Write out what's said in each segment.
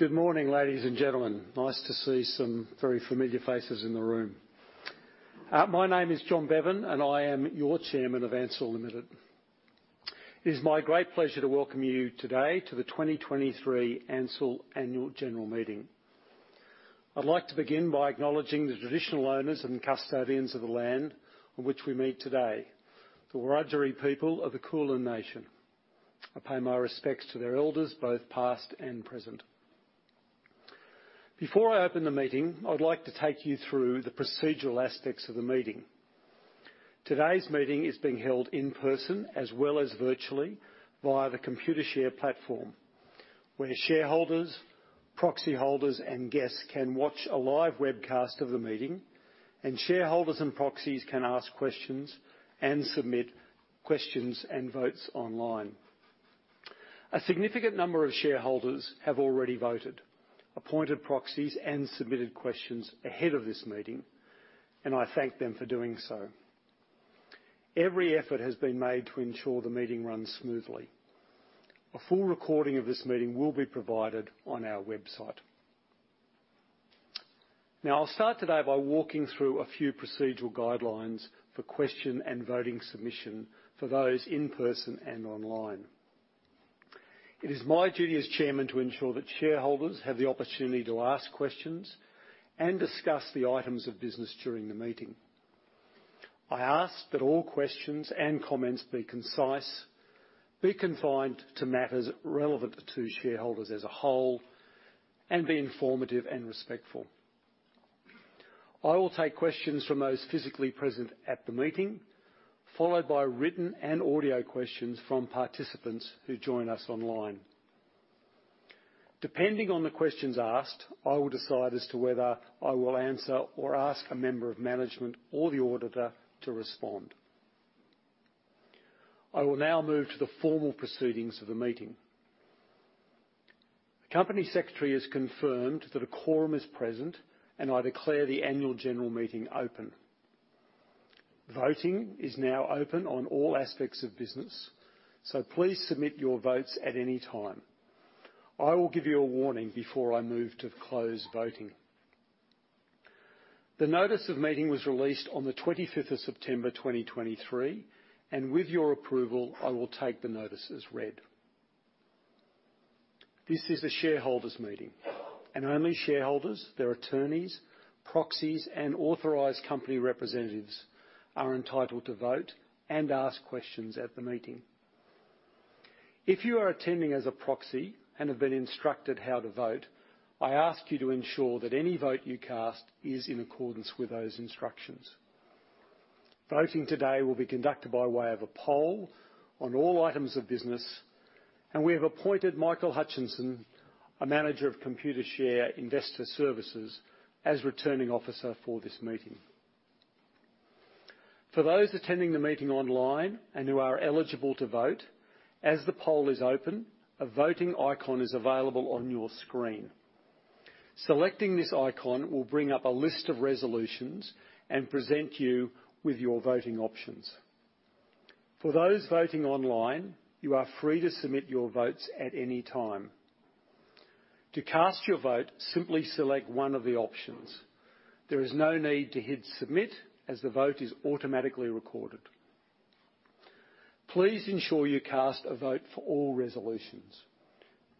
Good morning, ladies and gentlemen. Nice to see some very familiar faces in the room. My name is John Bevan, and I am your Chairman of Ansell Limited. It is my great pleasure to welcome you today to the 2023 Ansell Annual General Meeting. I'd like to begin by acknowledging the traditional owners and custodians of the land on which we meet today, the Wurundjeri people of the Kulin Nation. I pay my respects to their elders, both past and present. Before I open the meeting, I would like to take you through the procedural aspects of the meeting. Today's meeting is being held in person as well as virtually via the Computershare platform, where shareholders, proxy holders and guests can watch a live webcast of the meeting, and shareholders and proxies can ask questions and submit questions and votes online. A significant number of shareholders have already voted, appointed proxies, and submitted questions ahead of this meeting, and I thank them for doing so. Every effort has been made to ensure the meeting runs smoothly. A full recording of this meeting will be provided on our website. Now, I'll start today by walking through a few procedural guidelines for question and voting submission for those in person and online. It is my duty as Chairman to ensure that shareholders have the opportunity to ask questions and discuss the items of business during the meeting. I ask that all questions and comments be concise, be confined to matters relevant to shareholders as a whole, and be informative and respectful. I will take questions from those physically present at the meeting, followed by written and audio questions from participants who join us online. Depending on the questions asked, I will decide as to whether I will answer or ask a member of management or the auditor to respond. I will now move to the formal proceedings of the meeting. The Company Secretary has confirmed that a quorum is present, and I declare the Annual General Meeting open. Voting is now open on all aspects of business, so please submit your votes at any time. I will give you a warning before I move to close voting. The notice of meeting was released on the 25th of September, 2023, and with your approval, I will take the notice as read. This is a shareholders' meeting, and only shareholders, their attorneys, proxies, and authorized company representatives are entitled to vote and ask questions at the meeting. If you are attending as a proxy and have been instructed how to vote, I ask you to ensure that any vote you cast is in accordance with those instructions. Voting today will be conducted by way of a poll on all items of business, and we have appointed Michael Hutchinson, a manager of Computershare Investor Services, as Returning Officer for this meeting. For those attending the meeting online and who are eligible to vote, as the poll is open, a voting icon is available on your screen. Selecting this icon will bring up a list of resolutions and present you with your voting options. For those voting online, you are free to submit your votes at any time. To cast your vote, simply select one of the options. There is no need to hit Submit, as the vote is automatically recorded. Please ensure you cast a vote for all resolutions.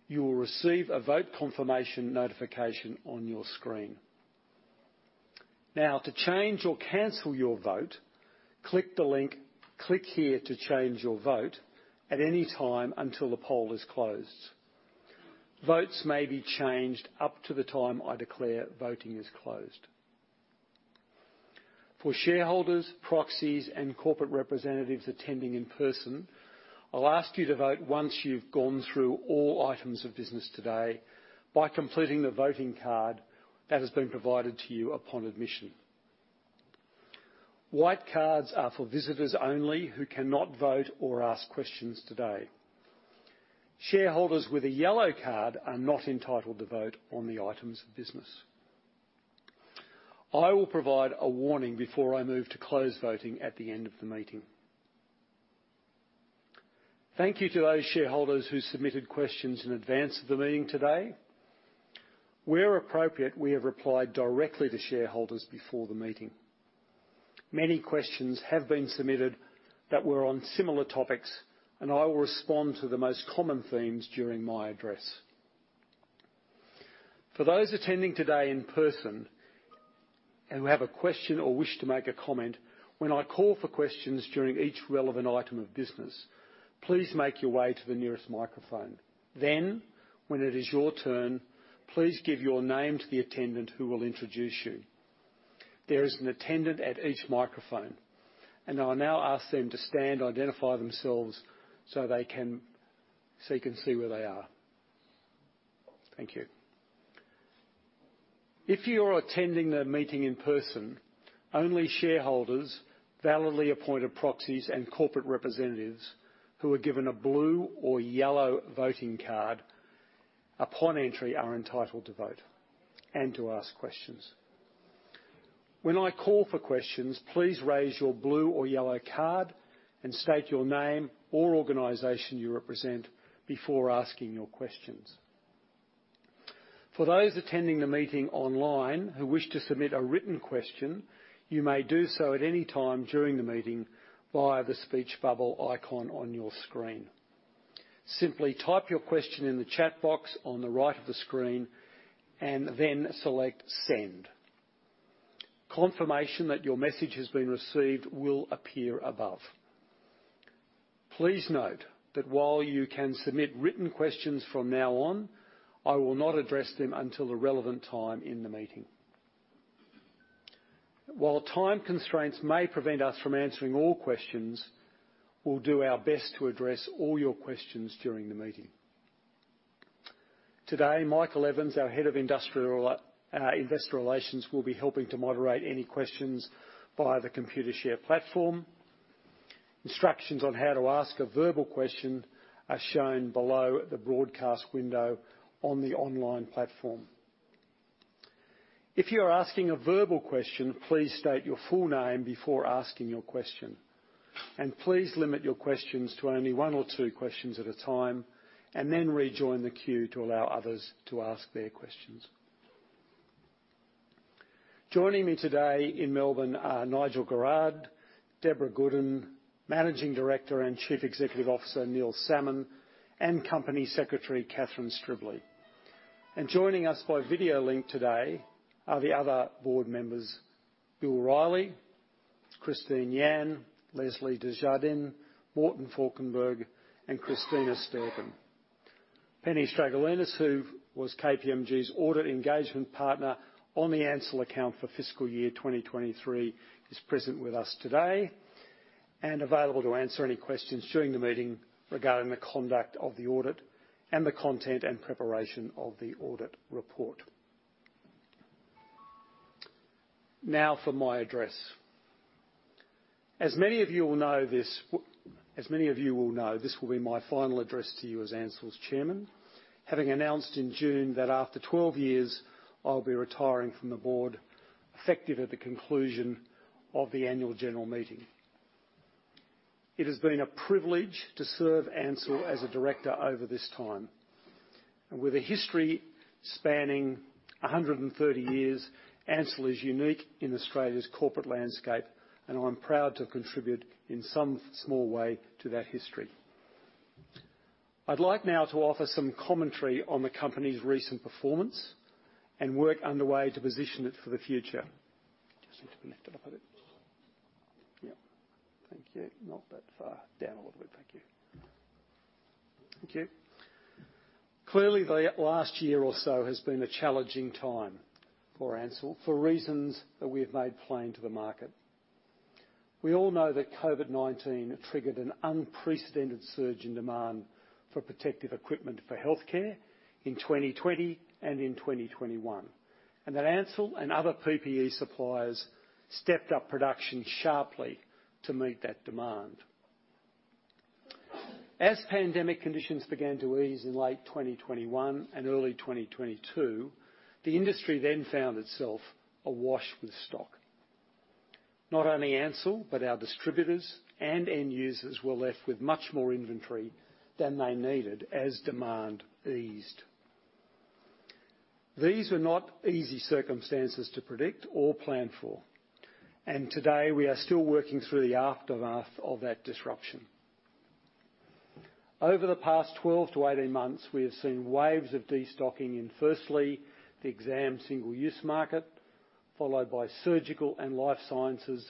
You will receive a vote confirmation notification on your screen. Now, to change or cancel your vote, click the link "Click here to change your vote" at any time until the poll is closed. Votes may be changed up to the time I declare voting is closed. For shareholders, proxies, and corporate representatives attending in person, I'll ask you to vote once you've gone through all items of business today by completing the voting card that has been provided to you upon admission. White cards are for visitors only who cannot vote or ask questions today. Shareholders with a yellow card are not entitled to vote on the items of business. I will provide a warning before I move to close voting at the end of the meeting. Thank you to those shareholders who submitted questions in advance of the meeting today. Where appropriate, we have replied directly to shareholders before the meeting. Many questions have been submitted that were on similar topics, and I will respond to the most common themes during my address. For those attending today in person and who have a question or wish to make a comment, when I call for questions during each relevant item of business, please make your way to the nearest microphone. Then, when it is your turn, please give your name to the attendant, who will introduce you. There is an attendant at each microphone, and I'll now ask them to stand and identify themselves so they can. So you can see where they are. Thank you. If you're attending the meeting in person, only shareholders, validly appointed proxies, and corporate representatives who are given a blue or yellow voting card upon entry are entitled to vote and to ask questions. When I call for questions, please raise your blue or yellow card and state your name or organization you represent before asking your questions. For those attending the meeting online who wish to submit a written question, you may do so at any time during the meeting via the speech bubble icon on your screen. Simply type your question in the chat box on the right of the screen and then select Send. Confirmation that your message has been received will appear above. Please note that while you can submit written questions from now on, I will not address them until the relevant time in the meeting. While time constraints may prevent us from answering all questions, we'll do our best to address all your questions during the meeting. Today, Michael Evans, our Head of Investor Relations, will be helping to moderate any questions via the Computershare platform. Instructions on how to ask a verbal question are shown below the broadcast window on the online platform. If you are asking a verbal question, please state your full name before asking your question, and please limit your questions to only one or two questions at a time, and then rejoin the queue to allow others to ask their questions. Joining me today in Melbourne are Nigel Garrard, Debra Goodin, Managing Director and Chief Executive Officer, Neil Salmon, and Company Secretary, Catherine Stribley. Joining us by video link today are the other board members, Bill Reilly, Christine Yan, Leslie Desjardins, Morten Falkenberg, and Christina Stercken. Penny Stragalinos, who was KPMG's Audit Engagement Partner on the Ansell account for fiscal year 2023, is present with us today and available to answer any questions during the meeting regarding the conduct of the audit and the content and preparation of the audit report. Now for my address. As many of you will know, this will be my final address to you as Ansell's chairman, having announced in June that after 12 years, I'll be retiring from the board, effective at the conclusion of the annual general meeting. It has been a privilege to serve Ansell as a director over this time. And with a history spanning 130 years, Ansell is unique in Australia's corporate landscape, and I'm proud to have contributed in some small way to that history. I'd like now to offer some commentary on the company's recent performance and work underway to position it for the future. Just need to lift it up a bit. Yep. Thank you. Not that far, down a little bit. Thank you. Thank you. Clearly, the last year or so has been a challenging time for Ansell, for reasons that we have made plain to the market. We all know that COVID-19 triggered an unprecedented surge in demand for protective equipment for healthcare in 2020 and in 2021, and that Ansell and other PPE suppliers stepped up production sharply to meet that demand. As pandemic conditions began to ease in late 2021 and early 2022, the industry then found itself awash with stock. Not only Ansell, but our distributors and end users were left with much more inventory than they needed as demand eased. These were not easy circumstances to predict or plan for, and today, we are still working through the aftermath of that disruption. Over the past 12-18 months, we have seen waves of destocking in, firstly, the exam single-use market, followed by surgical and life sciences.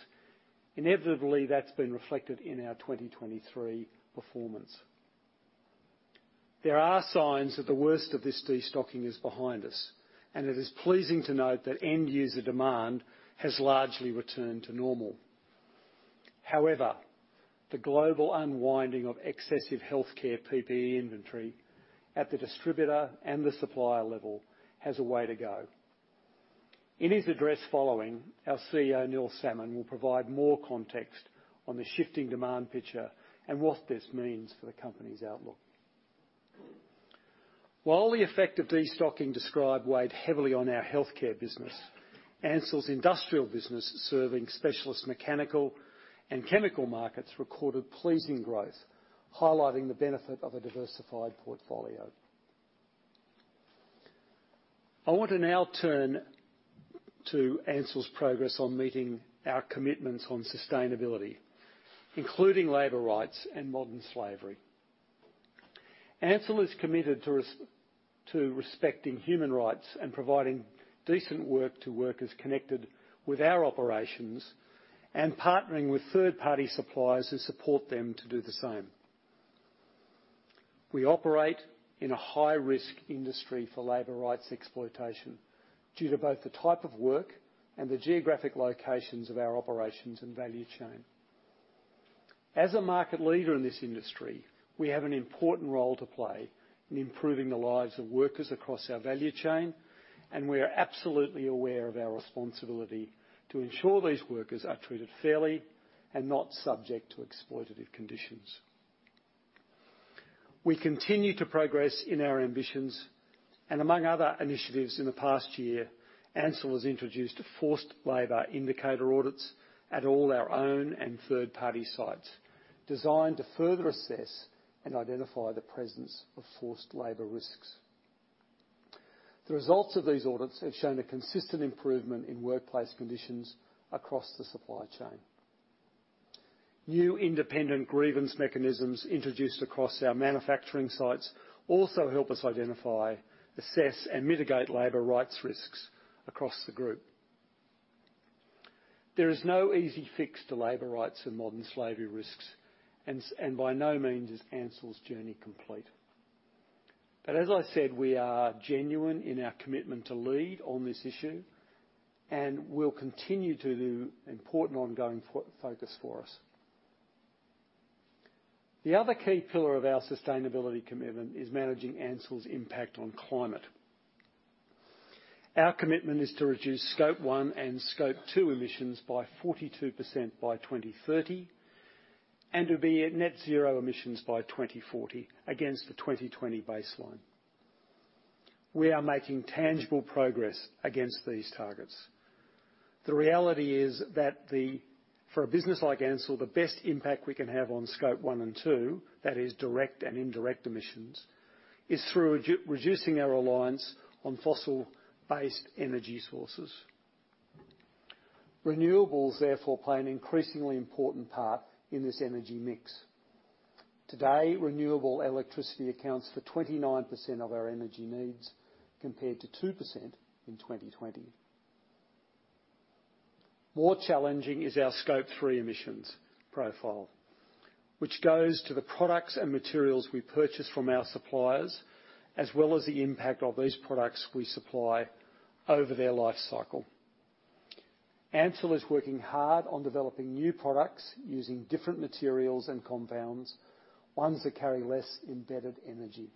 Inevitably, that's been reflected in our 2023 performance. There are signs that the worst of this destocking is behind us, and it is pleasing to note that end-user demand has largely returned to normal. However, the global unwinding of excessive healthcare PPE inventory at the distributor and the supplier level has a way to go. In his address following, our CEO, Neil Salmon, will provide more context on the shifting demand picture and what this means for the company's outlook. While the effect of destocking described weighed heavily on our healthcare business, Ansell's industrial business, serving specialist mechanical and chemical markets, recorded pleasing growth, highlighting the benefit of a diversified portfolio. I want to now turn to Ansell's progress on meeting our commitments on sustainability, including labor rights and modern slavery. Ansell is committed to respecting human rights and providing decent work to workers connected with our operations and partnering with third-party suppliers to support them to do the same. We operate in a high-risk industry for labor rights exploitation due to both the type of work and the geographic locations of our operations and value chain. As a market leader in this industry, we have an important role to play in improving the lives of workers across our value chain, and we are absolutely aware of our responsibility to ensure these workers are treated fairly and not subject to exploitative conditions. We continue to progress in our ambitions, and among other initiatives in the past year, Ansell has introduced forced labor indicator audits at all our own and third-party sites, designed to further assess and identify the presence of forced labor risks. The results of these audits have shown a consistent improvement in workplace conditions across the supply chain. New independent grievance mechanisms introduced across our manufacturing sites also help us identify, assess, and mitigate labor rights risks across the group. There is no easy fix to labor rights and modern slavery risks, and by no means is Ansell's journey complete. But as I said, we are genuine in our commitment to lead on this issue, and will continue to do important ongoing focus for us. The other key pillar of our sustainability commitment is managing Ansell's impact on climate. Our commitment is to reduce Scope 1 and Scope 2 emissions by 42% by 2030, and to be at net zero emissions by 2040 against the 2020 baseline. We are making tangible progress against these targets. The reality is that, for a business like Ansell, the best impact we can have on Scope 1 and 2, that is direct and indirect emissions, is through reducing our reliance on fossil-based energy sources. Renewables, therefore, play an increasingly important part in this energy mix. Today, renewable electricity accounts for 29% of our energy needs, compared to 2% in 2020. More challenging is our Scope 3 emissions profile, which goes to the products and materials we purchase from our suppliers, as well as the impact of these products we supply over their life cycle. Ansell is working hard on developing new products using different materials and compounds, ones that carry less embedded energy.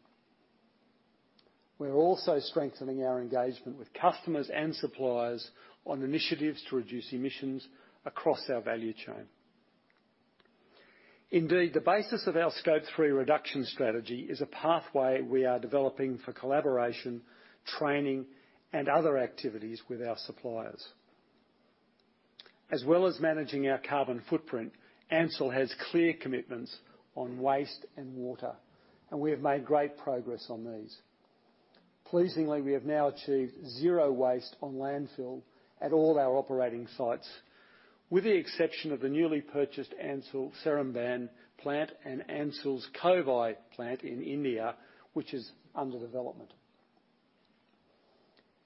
We're also strengthening our engagement with customers and suppliers on initiatives to reduce emissions across our value chain. Indeed, the basis of our Scope 3 reduction strategy is a pathway we are developing for collaboration, training, and other activities with our suppliers. As well as managing our carbon footprint, Ansell has clear commitments on waste and water, and we have made great progress on these. Pleasingly, we have now achieved zero waste on landfill at all our operating sites, with the exception of the newly purchased Ansell Seremban plant and Ansell's Kovai plant in India, which is under development.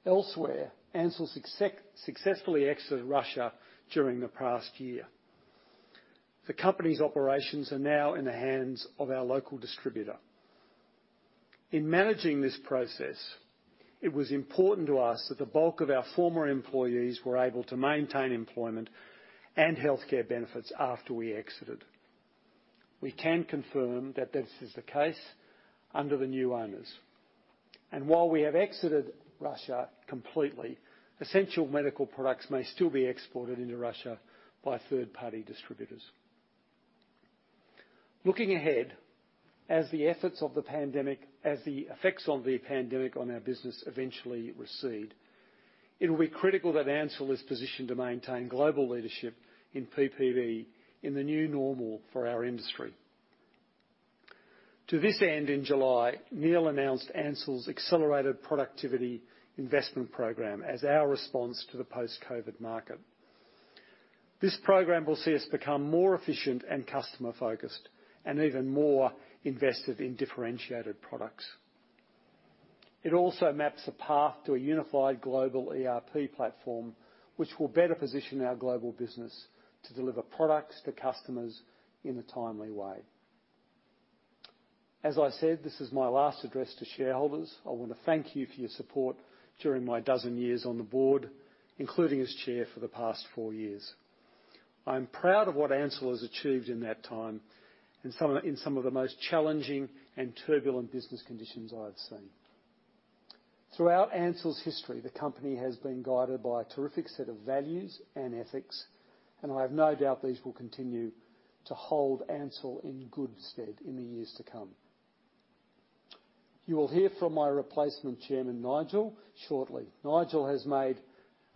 Elsewhere, Ansell successfully exited Russia during the past year. The company's operations are now in the hands of our local distributor. In managing this process, it was important to us that the bulk of our former employees were able to maintain employment and healthcare benefits after we exited. We can confirm that this is the case under the new owners, and while we have exited Russia completely, essential medical products may still be exported into Russia by third-party distributors. Looking ahead, as the effects of the pandemic on our business eventually recede, it will be critical that Ansell is positioned to maintain global leadership in PPE in the new normal for our industry. To this end, in July, Neil announced Ansell's accelerated productivity investment program as our response to the post-COVID market. This program will see us become more efficient and customer-focused, and even more invested in differentiated products. It also maps a path to a unified global ERP platform, which will better position our global business to deliver products to customers in a timely way. As I said, this is my last address to shareholders. I want to thank you for your support during my dozen years on the board, including as chair for the past four years. I'm proud of what Ansell has achieved in that time, in some of the most challenging and turbulent business conditions I have seen. Throughout Ansell's history, the company has been guided by a terrific set of values and ethics, and I have no doubt these will continue to hold Ansell in good stead in the years to come. You will hear from my replacement chairman, Nigel, shortly. Nigel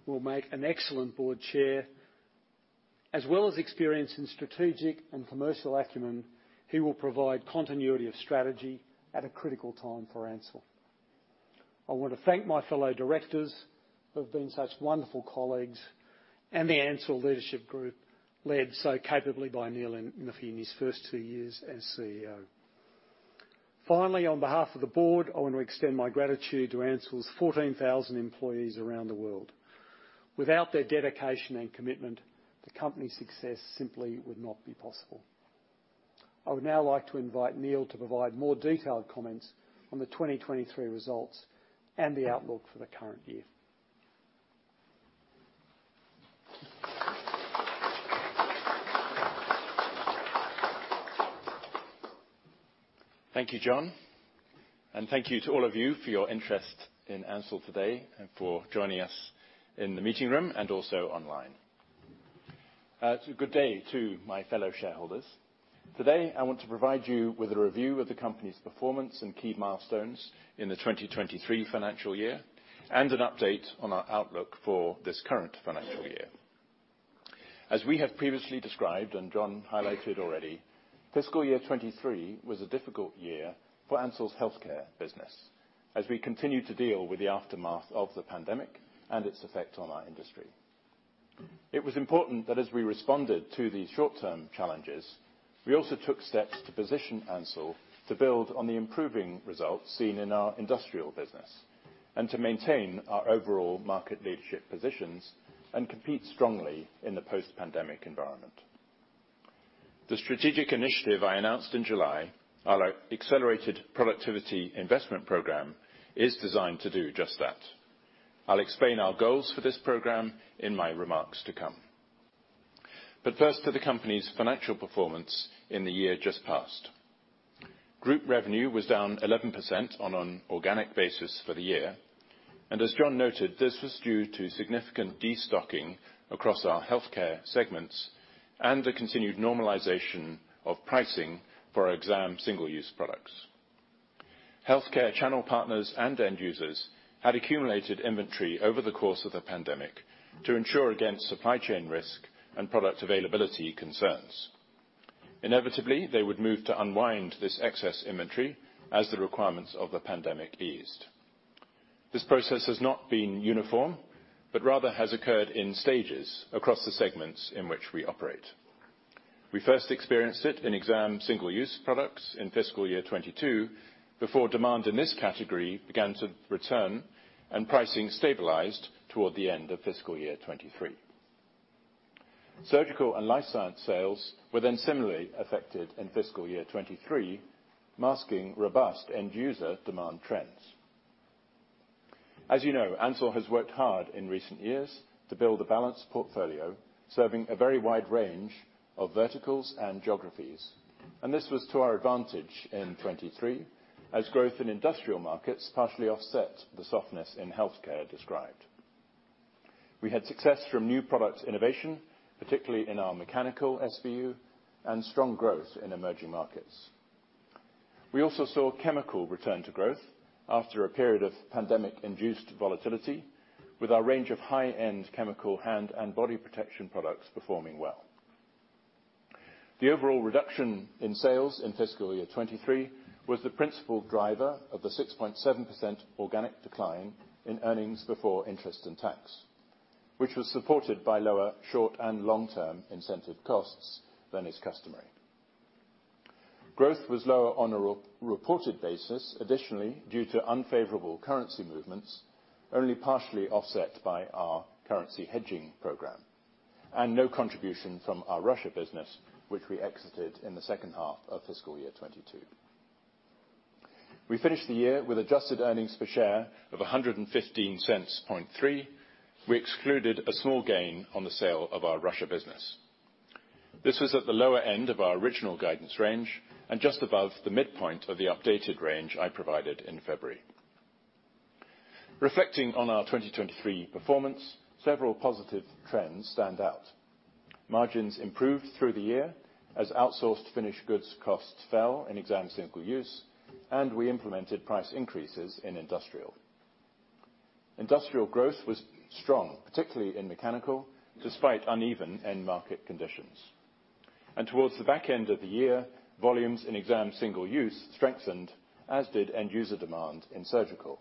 will make an excellent board chair. As well as experience in strategic and commercial acumen, he will provide continuity of strategy at a critical time for Ansell. I want to thank my fellow directors, who have been such wonderful colleagues, and the Ansell leadership group, led so capably by Neil Salmon in his first two years as CEO. Finally, on behalf of the board, I want to extend my gratitude to Ansell's 14,000 employees around the world. Without their dedication and commitment, the company's success simply would not be possible. I would now like to invite Neil to provide more detailed comments on the 2023 results and the outlook for the current year. Thank you, John, and thank you to all of you for your interest in Ansell today and for joining us in the meeting room and also online. Good day to my fellow shareholders. Today, I want to provide you with a review of the company's performance and key milestones in the 2023 financial year, and an update on our outlook for this current financial year. As we have previously described, and John highlighted already, fiscal year 2023 was a difficult year for Ansell's healthcare business, as we continued to deal with the aftermath of the pandemic and its effect on our industry. It was important that as we responded to these short-term challenges, we also took steps to position Ansell to build on the improving results seen in our industrial business, and to maintain our overall market leadership positions and compete strongly in the post-pandemic environment. The strategic initiative I announced in July, our Accelerated Productivity Investment program, is designed to do just that. I'll explain our goals for this program in my remarks to come. But first, to the company's financial performance in the year just past. Group revenue was down 11% on an organic basis for the year, and as John noted, this was due to significant destocking across our healthcare segments and the continued normalization of pricing for our exam single-use products. Healthcare channel partners and end users had accumulated inventory over the course of the pandemic to ensure against supply chain risk and product availability concerns. Inevitably, they would move to unwind this excess inventory as the requirements of the pandemic eased. This process has not been uniform, but rather has occurred in stages across the segments in which we operate. We first experienced it in exam single-use products in fiscal year 2022, before demand in this category began to return and pricing stabilized toward the end of fiscal year 2023. Surgical and life science sales were then similarly affected in fiscal year 2023, masking robust end-user demand trends. As you know, Ansell has worked hard in recent years to build a balanced portfolio, serving a very wide range of verticals and geographies, and this was to our advantage in 2023, as growth in industrial markets partially offset the softness in healthcare described. We had success from new product innovation, particularly in our mechanical SBU, and strong growth in emerging markets. We also saw chemical return to growth after a period of pandemic-induced volatility, with our range of high-end chemical hand and body protection products performing well. The overall reduction in sales in fiscal year 2023 was the principal driver of the 6.7% organic decline in earnings before interest and tax, which was supported by lower short- and long-term incentive costs than is customary. Growth was lower on a reported basis, additionally, due to unfavorable currency movements, only partially offset by our currency hedging program, and no contribution from our Russia business, which we exited in the second half of fiscal year 2022. We finished the year with adjusted earnings per share of $1.153. We excluded a small gain on the sale of our Russia business. This was at the lower end of our original guidance range and just above the midpoint of the updated range I provided in February. Reflecting on our 2023 performance, several positive trends stand out. Margins improved through the year as outsourced finished goods costs fell in exam single use, and we implemented price increases in industrial. Industrial growth was strong, particularly in mechanical, despite uneven end market conditions. And towards the back end of the year, volumes in exam single use strengthened, as did end user demand in surgical,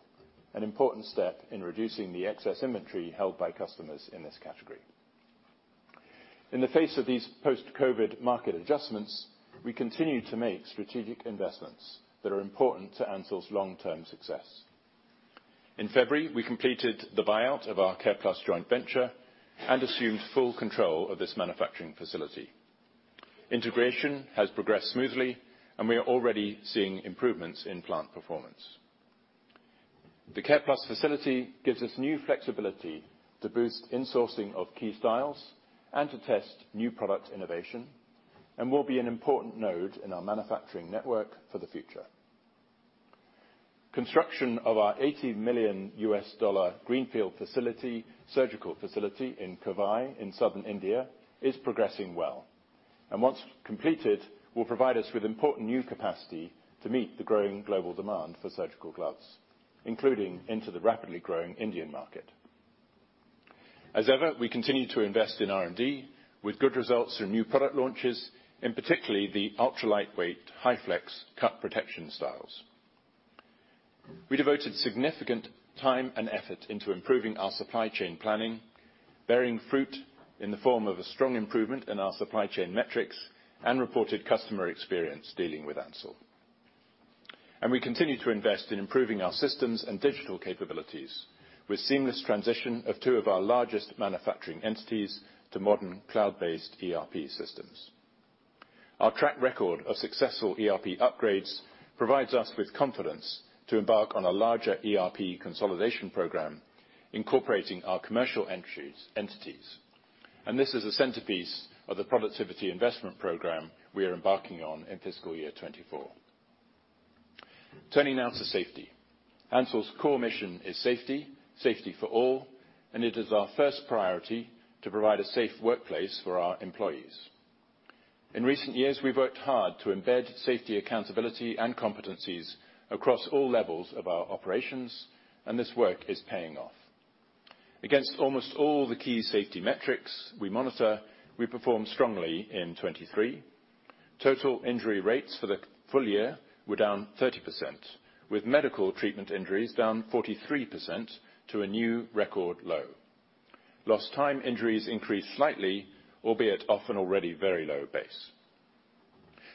an important step in reducing the excess inventory held by customers in this category. In the face of these post-COVID market adjustments, we continue to make strategic investments that are important to Ansell's long-term success. In February, we completed the buyout of our Careplus joint venture and assumed full control of this manufacturing facility. Integration has progressed smoothly, and we are already seeing improvements in plant performance. The Careplus facility gives us new flexibility to boost insourcing of key styles and to test new product innovation, and will be an important node in our manufacturing network for the future. Construction of our $80 million greenfield facility, surgical facility in Kovai, in southern India, is progressing well, and once completed, will provide us with important new capacity to meet the growing global demand for surgical gloves, including into the rapidly growing Indian market. As ever, we continue to invest in R&D with good results from new product launches, in particular the ultra-lightweight, HyFlex cut protection styles. We devoted significant time and effort into improving our supply chain planning, bearing fruit in the form of a strong improvement in our supply chain metrics and reported customer experience dealing with Ansell. We continue to invest in improving our systems and digital capabilities, with seamless transition of two of our largest manufacturing entities to modern cloud-based ERP systems. Our track record of successful ERP upgrades provides us with confidence to embark on a larger ERP consolidation program, incorporating our commercial entities, and this is a centerpiece of the productivity investment program we are embarking on in fiscal year 2024. Turning now to safety. Ansell's core mission is safety, safety for all, and it is our first priority to provide a safe workplace for our employees. In recent years, we've worked hard to embed safety, accountability, and competencies across all levels of our operations, and this work is paying off. Against almost all the key safety metrics we monitor, we performed strongly in 2023. Total injury rates for the full year were down 30%, with medical treatment injuries down 43% to a new record low. Lost time injuries increased slightly, albeit off an already very low base.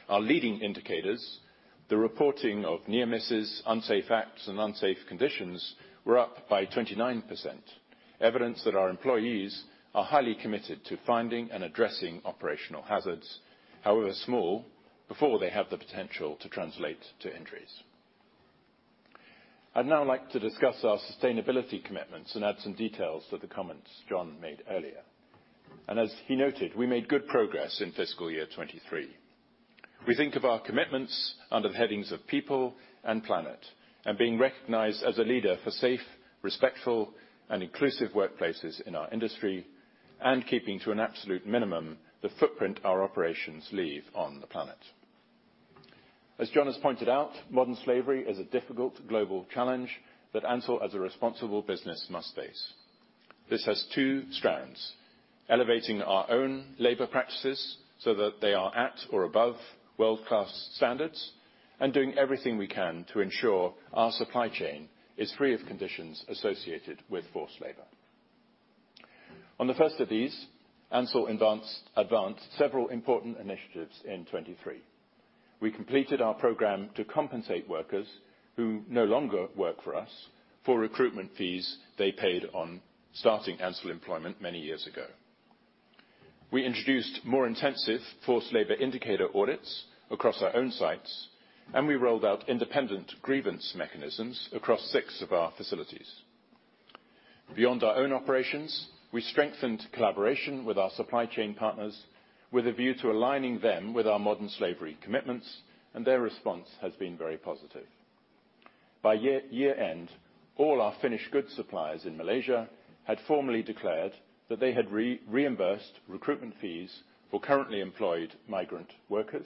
Our leading indicators, the reporting of near misses, unsafe acts, and unsafe conditions, were up by 29%, evidence that our employees are highly committed to finding and addressing operational hazards, however small, before they have the potential to translate to injuries. I'd now like to discuss our sustainability commitments and add some details to the comments John made earlier. And as he noted, we made good progress in fiscal year 2023. We think of our commitments under the headings of people and planet, and being recognized as a leader for safe, respectful, and inclusive workplaces in our industry, and keeping to an absolute minimum the footprint our operations leave on the planet. As John has pointed out, modern slavery is a difficult global challenge that Ansell, as a responsible business, must face. This has two strands: elevating our own labor practices so that they are at or above world-class standards, and doing everything we can to ensure our supply chain is free of conditions associated with forced labor. On the first of these, Ansell advanced several important initiatives in 2023. We completed our program to compensate workers who no longer work for us for recruitment fees they paid on starting Ansell employment many years ago. We introduced more intensive forced labor indicator audits across our own sites, and we rolled out independent grievance mechanisms across six of our facilities. Beyond our own operations, we strengthened collaboration with our supply chain partners with a view to aligning them with our modern slavery commitments, and their response has been very positive. By year-end, all our finished goods suppliers in Malaysia had formally declared that they had reimbursed recruitment fees for currently employed migrant workers,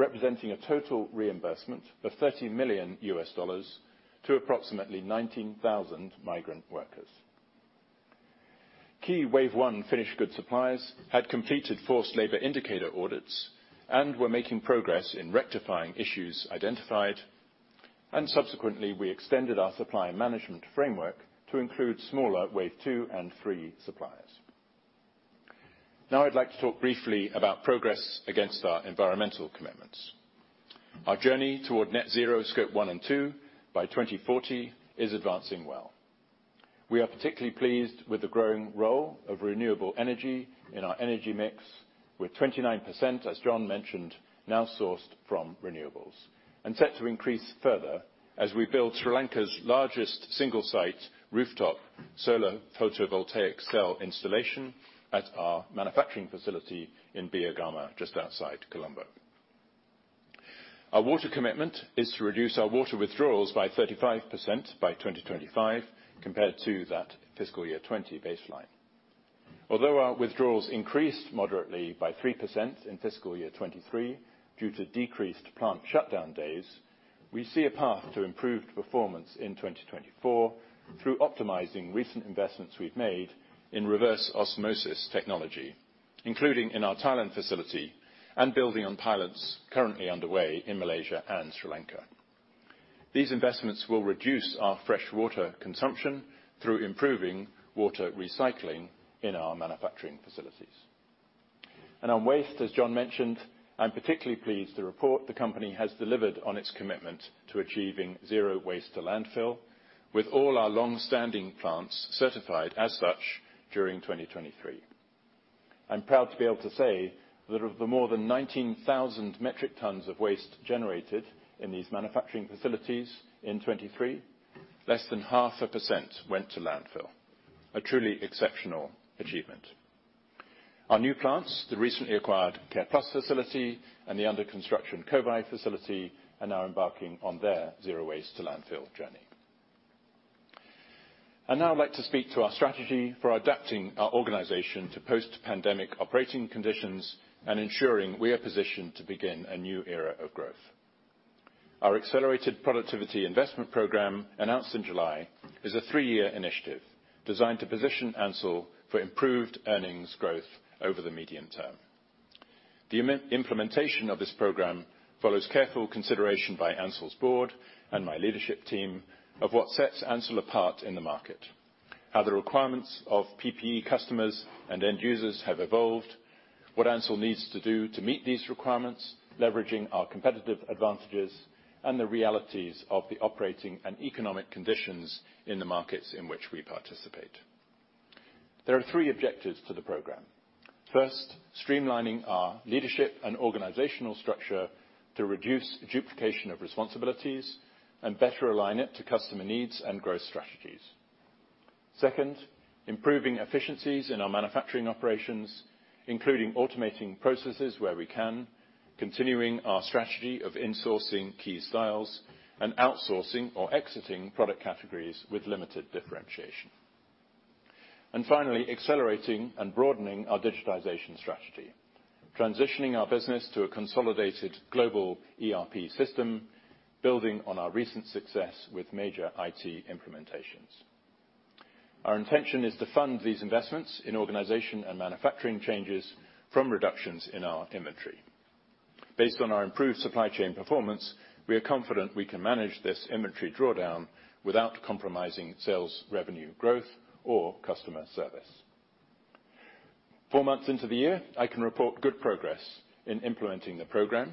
representing a total reimbursement of $30 million to approximately 19,000 migrant workers. Key Wave One finished goods suppliers had completed forced labor indicator audits and were making progress in rectifying issues identified, and subsequently, we extended our supply management framework to include smaller Wave Two and Three suppliers. Now, I'd like to talk briefly about progress against our environmental commitments. Our journey toward net zero Scope 1 and 2 by 2040 is advancing well. We are particularly pleased with the growing role of renewable energy in our energy mix, with 29%, as John mentioned, now sourced from renewables and set to increase further as we build Sri Lanka's largest single-site rooftop solar photovoltaic cell installation at our manufacturing facility in Biyagama, just outside Colombo. Our water commitment is to reduce our water withdrawals by 35% by 2025 compared to that fiscal year 2020 baseline. Although our withdrawals increased moderately by 3% in fiscal year 2023 due to decreased plant shutdown days, we see a path to improved performance in 2024 through optimizing recent investments we've made in reverse osmosis technology, including in our Thailand facility and building on pilots currently underway in Malaysia and Sri Lanka. These investments will reduce our freshwater consumption through improving water recycling in our manufacturing facilities. On waste, as John mentioned, I'm particularly pleased to report the company has delivered on its commitment to achieving zero waste to landfill, with all our long-standing plants certified as such during 2023. I'm proud to be able to say that of the more than 19,000 metric tons of waste generated in these manufacturing facilities in 2023, less than 0.5% went to landfill. A truly exceptional achievement. Our new plants, the recently acquired Careplus facility and the under-construction Kovai facility, are now embarking on their zero waste to landfill journey. I'd now like to speak to our strategy for adapting our organization to post-pandemic operating conditions and ensuring we are positioned to begin a new era of growth. Our accelerated productivity investment program, announced in July, is a 3-year initiative designed to position Ansell for improved earnings growth over the medium term. The implementation of this program follows careful consideration by Ansell's board and my leadership team of what sets Ansell apart in the market, how the requirements of PPE customers and end users have evolved, what Ansell needs to do to meet these requirements, leveraging our competitive advantages, and the realities of the operating and economic conditions in the markets in which we participate. There are three objectives to the program. First, streamlining our leadership and organizational structure to reduce duplication of responsibilities and better align it to customer needs and growth strategies. Second, improving efficiencies in our manufacturing operations, including automating processes where we can, continuing our strategy of insourcing key styles, and outsourcing or exiting product categories with limited differentiation. And finally, accelerating and broadening our digitization strategy, transitioning our business to a consolidated global ERP system, building on our recent success with major IT implementations. Our intention is to fund these investments in organization and manufacturing changes from reductions in our inventory. Based on our improved supply chain performance, we are confident we can manage this inventory drawdown without compromising sales, revenue growth, or customer service. Four months into the year, I can report good progress in implementing the program.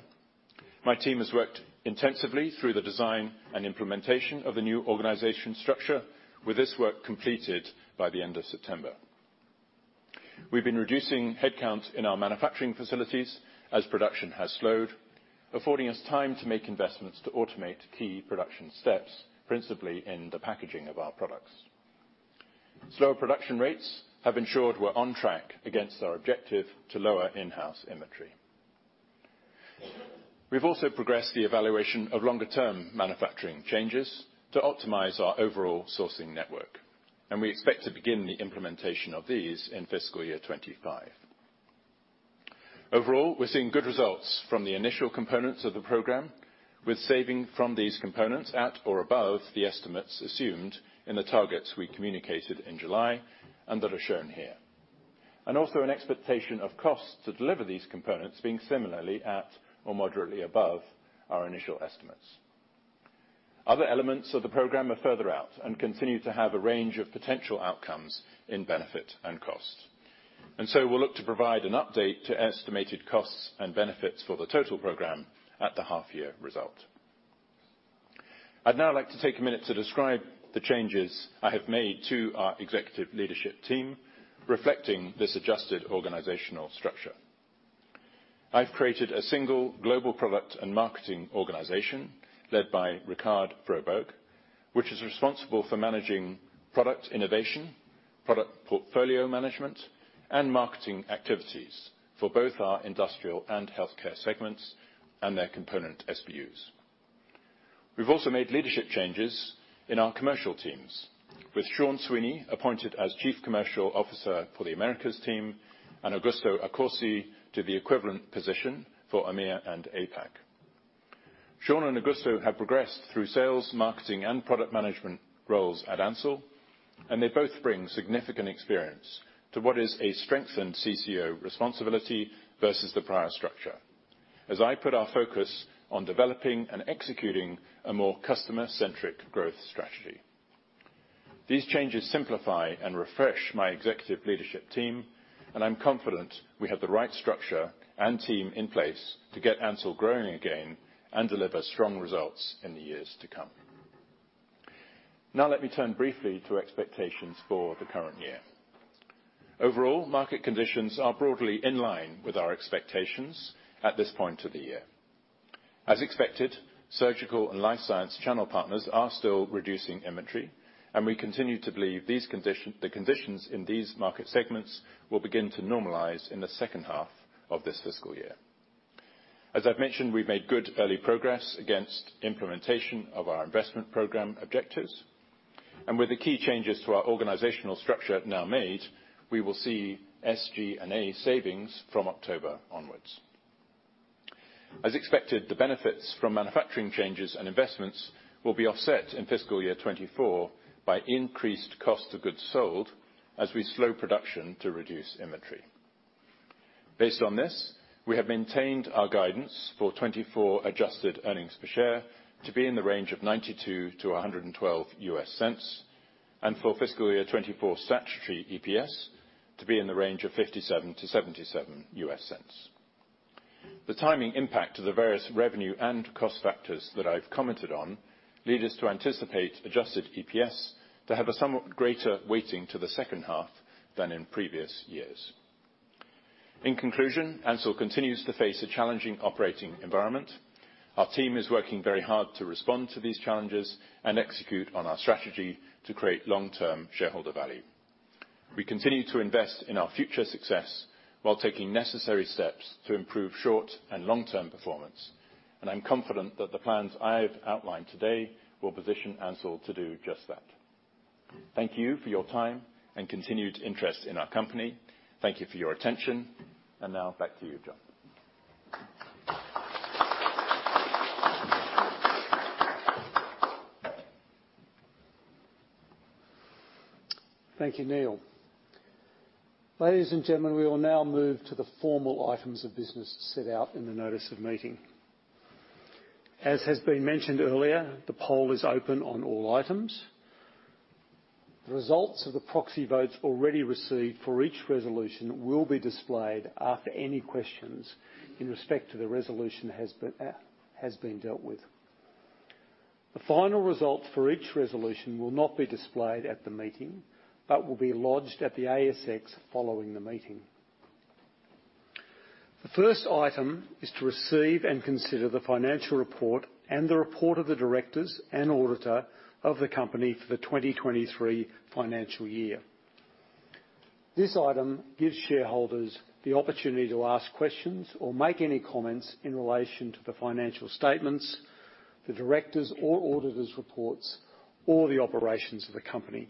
My team has worked intensively through the design and implementation of the new organization structure, with this work completed by the end of September. We've been reducing headcount in our manufacturing facilities as production has slowed, affording us time to make investments to automate key production steps, principally in the packaging of our products. Slower production rates have ensured we're on track against our objective to lower in-house inventory. We've also progressed the evaluation of longer-term manufacturing changes to optimize our overall sourcing network, and we expect to begin the implementation of these in fiscal year 2025. Overall, we're seeing good results from the initial components of the program, with saving from these components at or above the estimates assumed in the targets we communicated in July and that are shown here. And also an expectation of costs to deliver these components being similarly at or moderately above our initial estimates. Other elements of the program are further out and continue to have a range of potential outcomes in benefit and cost. And so we'll look to provide an update to estimated costs and benefits for the total program at the half year result. I'd now like to take a minute to describe the changes I have made to our executive leadership team, reflecting this adjusted organizational structure. I've created a single global product and marketing organization led by Rikard Fröberg, which is responsible for managing product innovation, product portfolio management, and marketing activities for both our industrial and healthcare segments and their component SBUs. We've also made leadership changes in our commercial teams, with Sean Sweeney appointed as Chief Commercial Officer for the Americas team and Augusto Accorsi to the equivalent position for EMEA and APAC. Sean and Augusto have progressed through sales, marketing, and product management roles at Ansell, and they both bring significant experience to what is a strengthened CCO responsibility versus the prior structure. As I put our focus on developing and executing a more customer-centric growth strategy. These changes simplify and refresh my executive leadership team, and I'm confident we have the right structure and team in place to get Ansell growing again and deliver strong results in the years to come. Now, let me turn briefly to expectations for the current year. Overall, market conditions are broadly in line with our expectations at this point of the year. As expected, surgical and life science channel partners are still reducing inventory, and we continue to believe these conditions in these market segments will begin to normalize in the second half of this fiscal year. As I've mentioned, we've made good early progress against implementation of our investment program objectives, and with the key changes to our organizational structure now made, we will see SG&A savings from October onwards. As expected, the benefits from manufacturing changes and investments will be offset in fiscal year 2024 by increased cost of goods sold as we slow production to reduce inventory. Based on this, we have maintained our guidance for 2024 adjusted earnings per share to be in the range of $0.92-$1.12, and for fiscal year 2024 statutory EPS to be in the range of $0.57-$0.77. The timing impact to the various revenue and cost factors that I've commented on lead us to anticipate adjusted EPS to have a somewhat greater weighting to the second half than in previous years. In conclusion, Ansell continues to face a challenging operating environment. Our team is working very hard to respond to these challenges and execute on our strategy to create long-term shareholder value. We continue to invest in our future success while taking necessary steps to improve short- and long-term performance, and I'm confident that the plans I've outlined today will position Ansell to do just that. Thank you for your time and continued interest in our company. Thank you for your attention, and now back to you, John. Thank you, Neil. Ladies and gentlemen, we will now move to the formal items of business set out in the notice of meeting. As has been mentioned earlier, the poll is open on all items. The results of the proxy votes already received for each resolution will be displayed after any questions in respect to the resolution has been, has been dealt with. The final result for each resolution will not be displayed at the meeting, but will be lodged at the ASX following the meeting. The first item is to receive and consider the financial report and the report of the directors and auditor of the company for the 2023 financial year. This item gives shareholders the opportunity to ask questions or make any comments in relation to the financial statements, the directors' or auditors' reports, or the operations of the company.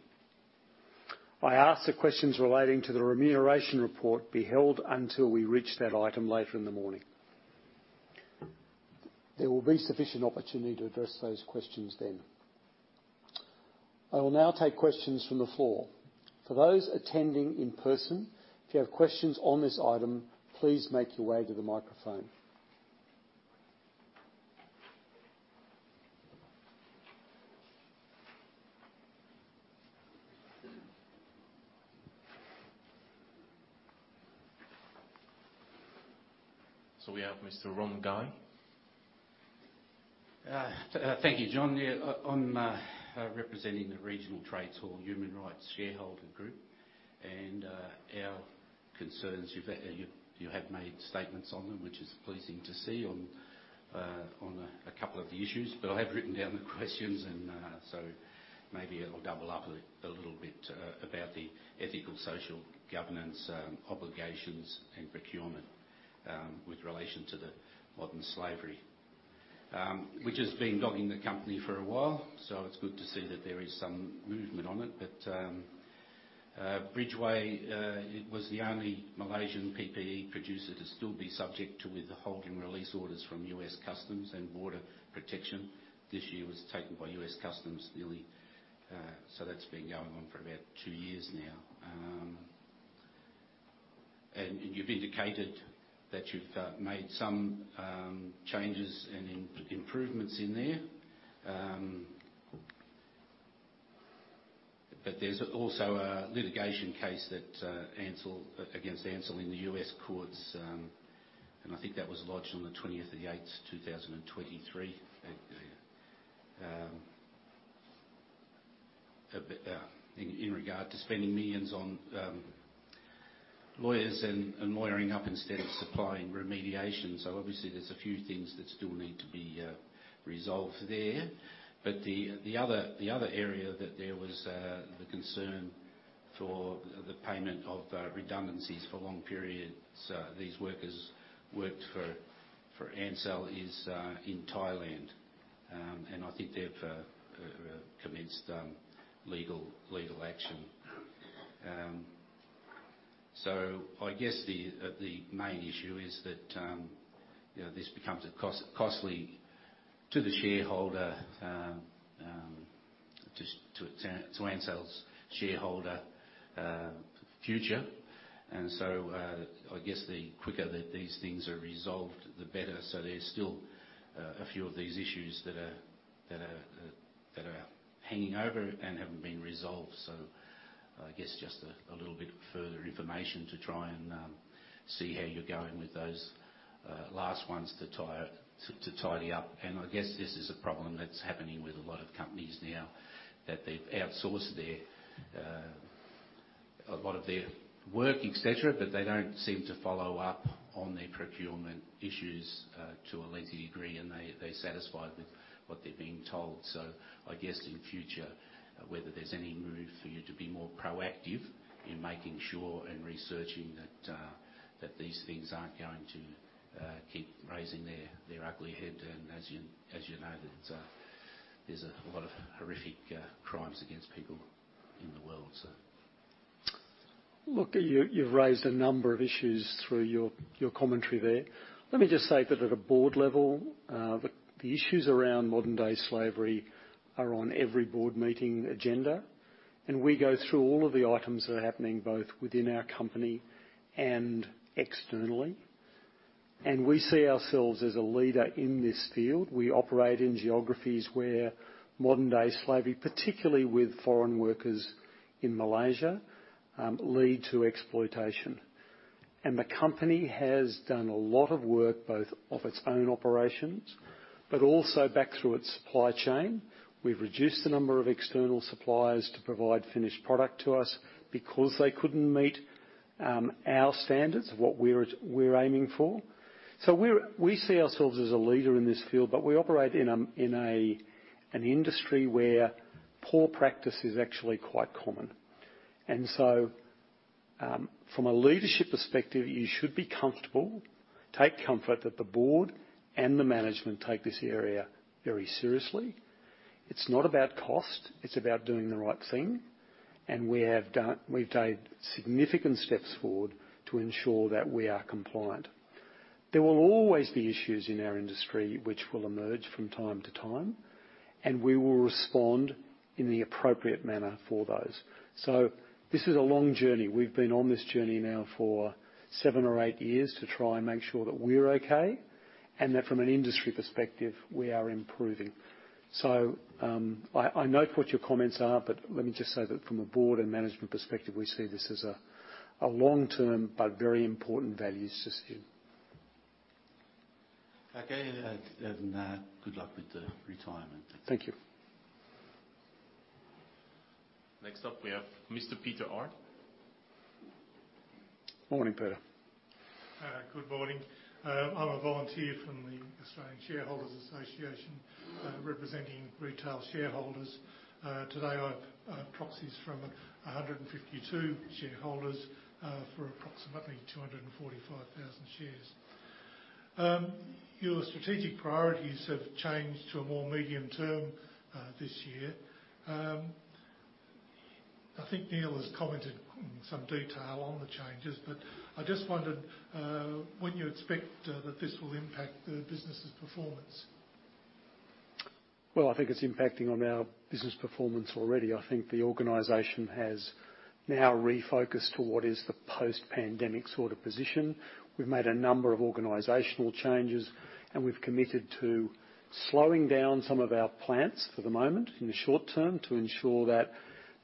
I ask the questions relating to the remuneration report be held until we reach that item later in the morning. There will be sufficient opportunity to address those questions then. I will now take questions from the floor. For those attending in person, if you have questions on this item, please make your way to the microphone. So we have Mr. Ron Guy. Thank you, John. Yeah, on, representing the Regional Trades Hall Human Rights Shareholder Group, and, our concerns, you've, you, you have made statements on them, which is pleasing to see on, on a couple of the issues. But I have written down the questions and, so maybe it'll double up a little bit, about the ethical social governance, obligations and procurement, with relation to the modern slavery, which has been dogging the company for a while, so it's good to see that there is some movement on it. But, Brightway, it was the only Malaysian PPE producer to still be subject to withholding release orders from U.S. Customs and Border Protection. This year, it was taken by U.S. Customs, nearly, so that's been going on for about two years now. And you've indicated that you've made some changes and improvements in there. But there's also a litigation case against Ansell in the U.S. courts, and I think that was lodged on the 20th of the eighth, 2023. But in regard to spending millions on lawyers and lawyering up instead of supplying remediation. So obviously, there's a few things that still need to be resolved there. But the other area that there was the concern for the payment of redundancies for long periods these workers worked for Ansell is in Thailand. And I think they've commenced legal action. So I guess the main issue is that, you know, this becomes costly to the shareholder, to Ansell's shareholder future. And so I guess the quicker that these things are resolved, the better. So there's still a few of these issues that are hanging over and haven't been resolved. So I guess just a little bit further information to try and see how you're going with those last ones to tie up, to tidy up. And I guess this is a problem that's happening with a lot of companies now, that they've outsourced a lot of their work, et cetera, but they don't seem to follow up on their procurement issues to a lengthy degree, and they're satisfied with what they're being told. So I guess in future, whether there's any move for you to be more proactive in making sure and researching that, that these things aren't going to, keep raising their, their ugly head. And as you, as you know, that, there's a lot of horrific, crimes against people in the world, so. Look, you, you've raised a number of issues through your, your commentary there. Let me just say that at a board level, the issues around modern-day slavery are on every board meeting agenda, and we go through all of the items that are happening both within our company and externally. We see ourselves as a leader in this field. We operate in geographies where modern-day slavery, particularly with foreign workers in Malaysia, lead to exploitation. The company has done a lot of work, both of its own operations, but also back through its supply chain. We've reduced the number of external suppliers to provide finished product to us because they couldn't meet our standards of what we're, we're aiming for. So we're, we see ourselves as a leader in this field, but we operate in an industry where poor practice is actually quite common. And so, from a leadership perspective, you should be comfortable, take comfort that the board and the management take this area very seriously. It's not about cost, it's about doing the right thing, and we have done-we've taken significant steps forward to ensure that we are compliant. There will always be issues in our industry which will emerge from time to time, and we will respond in the appropriate manner for those. So this is a long journey. We've been on this journey now for seven or eight years to try and make sure that we're okay and that from an industry perspective, we are improving. So, I note what your comments are, but let me just say that from a board and management perspective, we see this as a long-term but very important values to see. Okay, and good luck with the retirement. Thank you. Next up, we have Mr. Peter Aird. Morning, Peter. Good morning. I'm a volunteer from the Australian Shareholders Association, representing retail shareholders. Today I have proxies from 152 shareholders for approximately 245,000 shares. Your strategic priorities have changed to a more medium-term this year. I think Neil has commented in some detail on the changes, but I just wondered when you expect that this will impact the business's performance? Well, I think it's impacting on our business performance already. I think the organization has now refocused to what is the post-pandemic sort of position. We've made a number of organizational changes, and we've committed to slowing down some of our plants for the moment, in the short term, to ensure that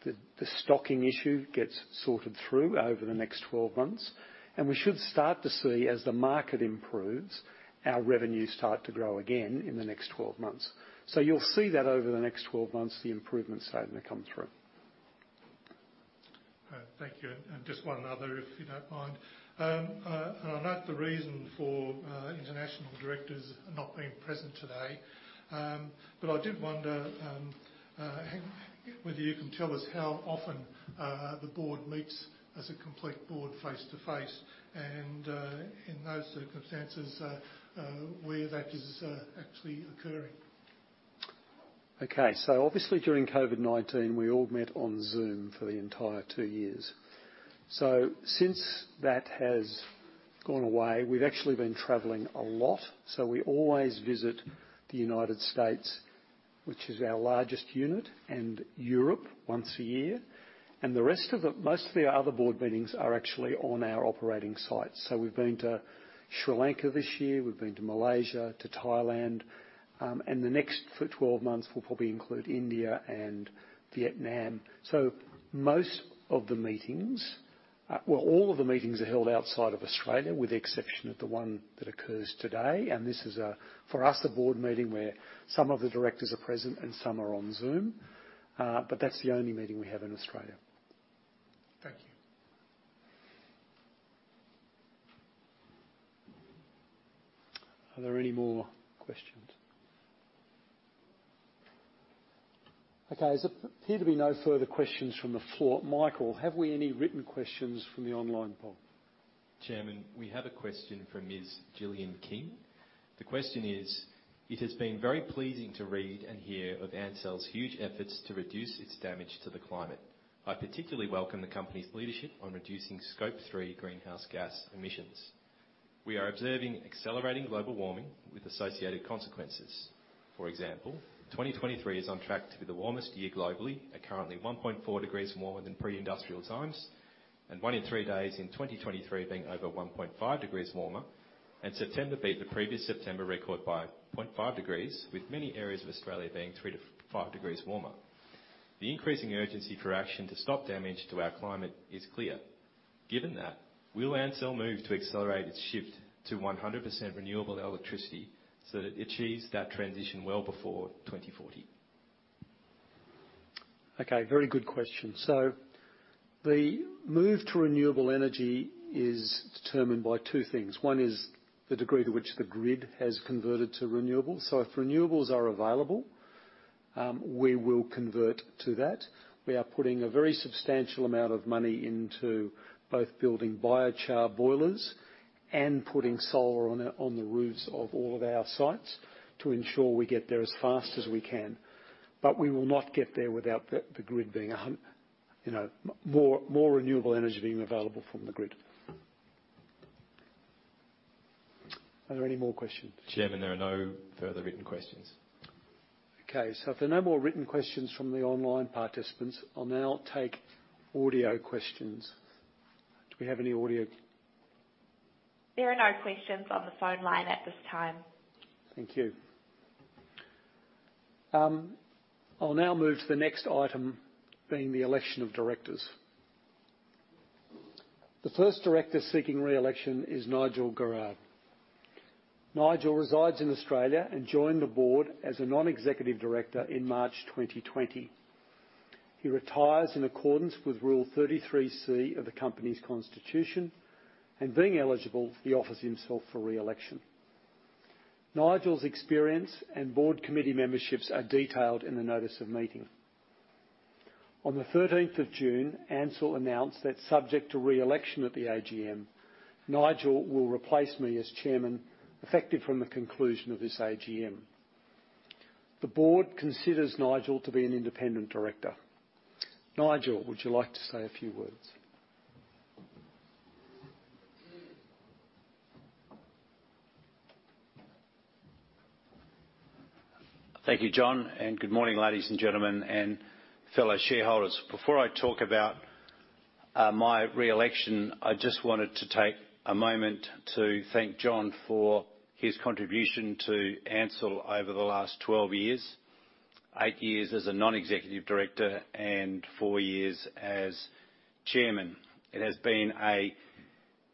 the stocking issue gets sorted through over the next 12 months. And we should start to see, as the market improves, our revenues start to grow again in the next 12 months. So you'll see that over the next 12 months, the improvements starting to come through. Thank you. And just one other, if you don't mind. I note the reason for international directors not being present today. But I did wonder whether you can tell us how often the board meets as a complete board, face-to-face, and in those circumstances where that is actually occurring? Okay. So obviously, during COVID-19, we all met on Zoom for the entire two years. So since that has gone away, we've actually been traveling a lot. So we always visit the United States, which is our largest unit, and Europe once a year, and the rest of the most of the other board meetings are actually on our operating sites. So we've been to Sri Lanka this year, we've been to Malaysia, to Thailand, and the next 12 months will probably include India and Vietnam. So most of the meetings, well, all of the meetings are held outside of Australia, with the exception of the one that occurs today. And this is, for us, a board meeting where some of the directors are present and some are on Zoom. But that's the only meeting we have in Australia. Thank you. Are there any more questions? Okay, there appear to be no further questions from the floor. Michael, have we any written questions from the online board? Chairman, we have a question from Ms. Jillian King. The question is: It has been very pleasing to read and hear of Ansell's huge efforts to reduce its damage to the climate. I particularly welcome the company's leadership on reducing Scope 3 greenhouse gas emissions. We are observing accelerating global warming with associated consequences. For example, 2023 is on track to be the warmest year globally, at currently 1.4 degrees warmer than pre-industrial times, and one in three days in 2023 being over 1.5 degrees warmer, and September beat the previous September record by 0.5 degrees, with many areas of Australia being 3-5 degrees warmer. The increasing urgency for action to stop damage to our climate is clear. Given that, will Ansell move to accelerate its shift to 100% renewable electricity so that it achieves that transition well before 2040? Okay, very good question. So the move to renewable energy is determined by two things. One is the degree to which the grid has converted to renewables. So if renewables are available, we will convert to that. We are putting a very substantial amount of money into both building biomass boilers and putting solar on the roofs of all of our sites to ensure we get there as fast as we can. But we will not get there without the grid being, you know, more renewable energy being available from the grid. Are there any more questions? Chairman, there are no further written questions. Okay, so if there are no more written questions from the online participants, I'll now take audio questions. Do we have any audio? There are no questions on the phone line at this time. Thank you. I'll now move to the next item, being the election of directors. The first director seeking re-election is Nigel Garrard. Nigel resides in Australia and joined the board as a non-executive director in March 2020. He retires in accordance with Rule 33C of the company's constitution, and being eligible, he offers himself for re-election. Nigel's experience and board committee memberships are detailed in the notice of meeting. On the 13th of June, Ansell announced that subject to re-election at the AGM, Nigel will replace me as chairman, effective from the conclusion of this AGM. The board considers Nigel to be an independent director. Nigel, would you like to say a few words? Thank you, John, and good morning, ladies and gentlemen, and fellow shareholders. Before I talk about my re-election, I just wanted to take a moment to thank John for his contribution to Ansell over the last 12 years. Eight years as a non-executive director and four years as chairman. It has been an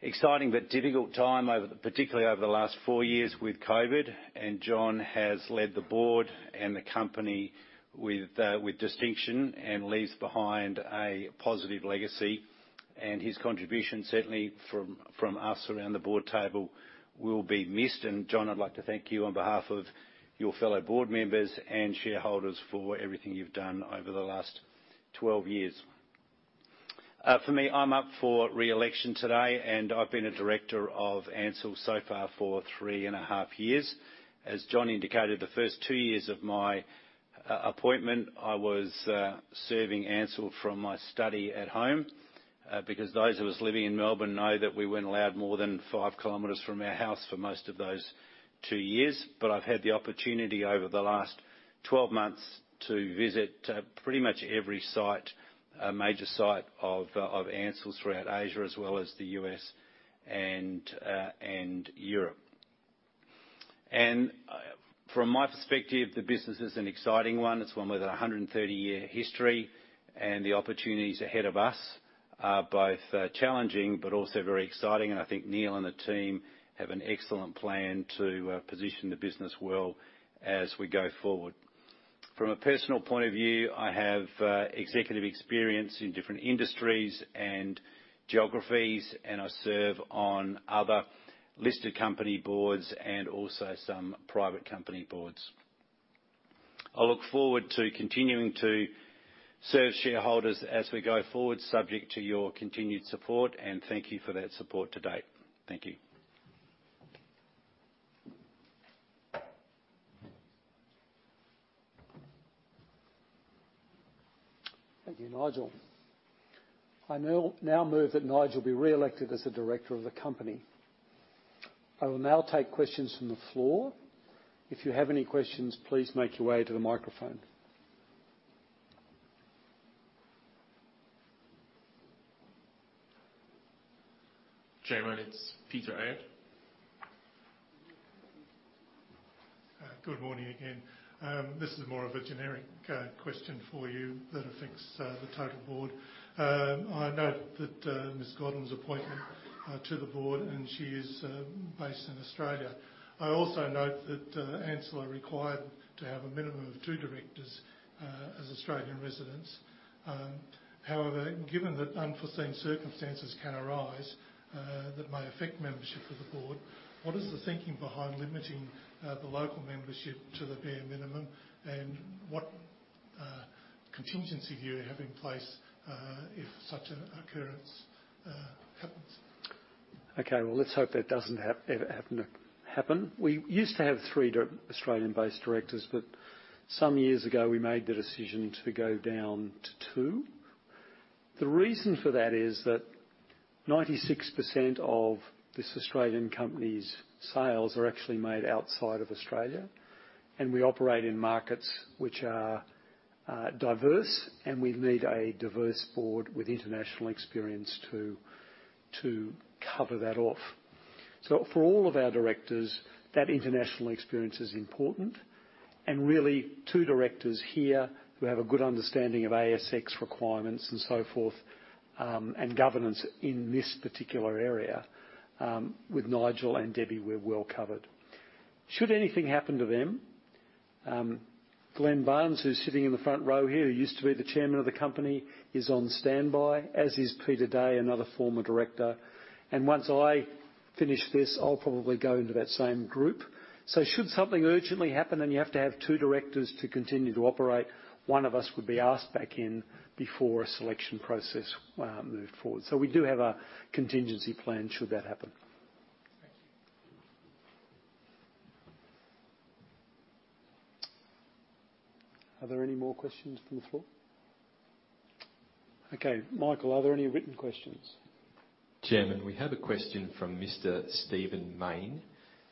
exciting but difficult time, particularly over the last four years with COVID, and John has led the board and the company with distinction and leaves behind a positive legacy. His contribution, certainly from us around the board table, will be missed. John, I'd like to thank you on behalf of your fellow board members and shareholders for everything you've done over the last 12 years. For me, I'm up for re-election today, and I've been a director of Ansell so far for three and a half years. As John indicated, the first two years of my appointment, I was serving Ansell from my study at home, because those of us living in Melbourne know that we weren't allowed more than five kilometers from our house for most of those two years. But I've had the opportunity over the last 12 months to visit pretty much every site, major site of of Ansell throughout Asia, as well as the U.S. and and Europe. And from my perspective, the business is an exciting one. It's one with a 130-year history, and the opportunities ahead of us are both challenging but also very exciting, and I think Neil and the team have an excellent plan to position the business well as we go forward. From a personal point of view, I have executive experience in different industries and geographies, and I serve on other listed company boards and also some private company boards. I look forward to continuing to serve shareholders as we go forward, subject to your continued support, and thank you for that support to date. Thank you. Thank you, Nigel. I now move that Nigel be re-elected as a director of the company. I will now take questions from the floor. If you have any questions, please make your way to the microphone. Chairman, it's Peter Aird. Good morning again. This is more of a generic question for you that affects the total board. I note that Ms. Goodin's appointment to the board, and she is based in Australia. I also note that Ansell are required to have a minimum of two directors as Australian residents. However, given that unforeseen circumstances can arise that may affect membership of the board, what is the thinking behind limiting the local membership to the bare minimum? And what contingency do you have in place if such an occurrence happens? Okay, well, let's hope that doesn't ever happen. We used to have three Australian-based directors, but some years ago, we made the decision to go down to two. The reason for that is that 96% of this Australian company's sales are actually made outside of Australia, and we operate in markets which are diverse, and we need a diverse board with international experience to cover that off. So for all of our directors, that international experience is important, and really, two directors here, who have a good understanding of ASX requirements and so forth, and governance in this particular area, with Nigel and Debbie, we're well covered. Should anything happen to them, Glenn Barnes, who's sitting in the front row here, who used to be the chairman of the company, is on standby, as is Peter Day, another former director. And once I finish this, I'll probably go into that same group. So should something urgently happen, and you have to have two directors to continue to operate, one of us would be asked back in before a selection process moved forward. So we do have a contingency plan should that happen. Thank you. Are there any more questions from the floor? Okay, Michael, are there any written questions? Chairman, we have a question from Mr. Stephen Mayne.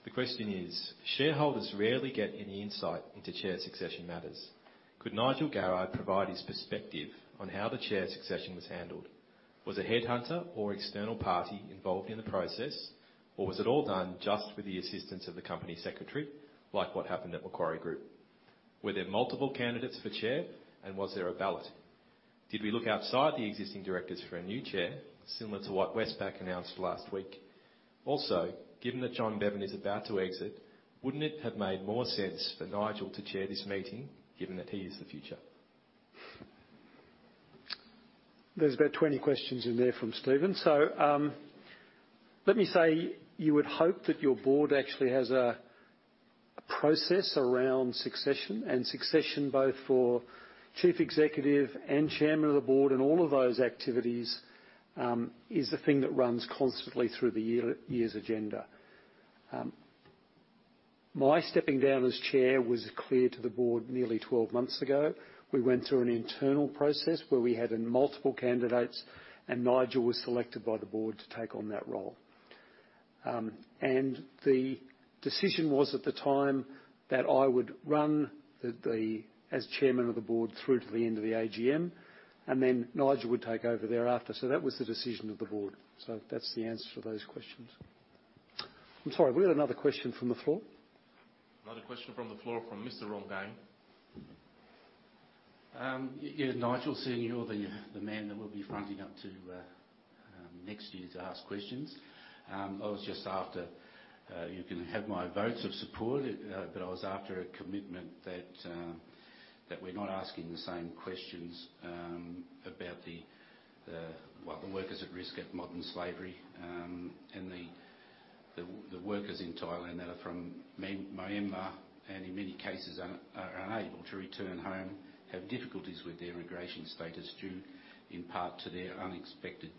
The question is: Shareholders rarely get any insight into chair succession matters. Could Nigel Garrard provide his perspective on how the chair succession was handled? Was a headhunter or external party involved in the process, or was it all done just with the assistance of the company secretary, like what happened at Macquarie Group? Were there multiple candidates for chair, and was there a ballot? Did we look outside the existing directors for a new chair, similar to what Westpac announced last week? Also, given that John Bevan is about to exit, wouldn't it have made more sense for Nigel to chair this meeting, given that he is the future? There's about 20 questions in there from Stephen. So, let me say, you would hope that your board actually has a process around succession, and succession both for Chief Executive and Chairman of the Board, and all of those activities is the thing that runs constantly through the year's agenda. My stepping down as Chair was clear to the board nearly 12 months ago. We went through an internal process where we had multiple candidates, and Nigel was selected by the board to take on that role. And the decision was, at the time, that I would run the as Chairman of the Board through to the end of the AGM, and then Nigel would take over thereafter. So that was the decision of the board. So that's the answer to those questions. I'm sorry, we had another question from the floor? Another question from the floor from Mr. Ron Guy. .Yeah, Nigel, seeing you're the man that we'll be fronting up to next year to ask questions, I was just after you can have my votes of support, but I was after a commitment that we're not asking the same questions about the workers at risk of modern slavery. And the workers in Thailand that are from Myanmar, and in many cases are unable to return home, have difficulties with their immigration status, due in part to their unexpected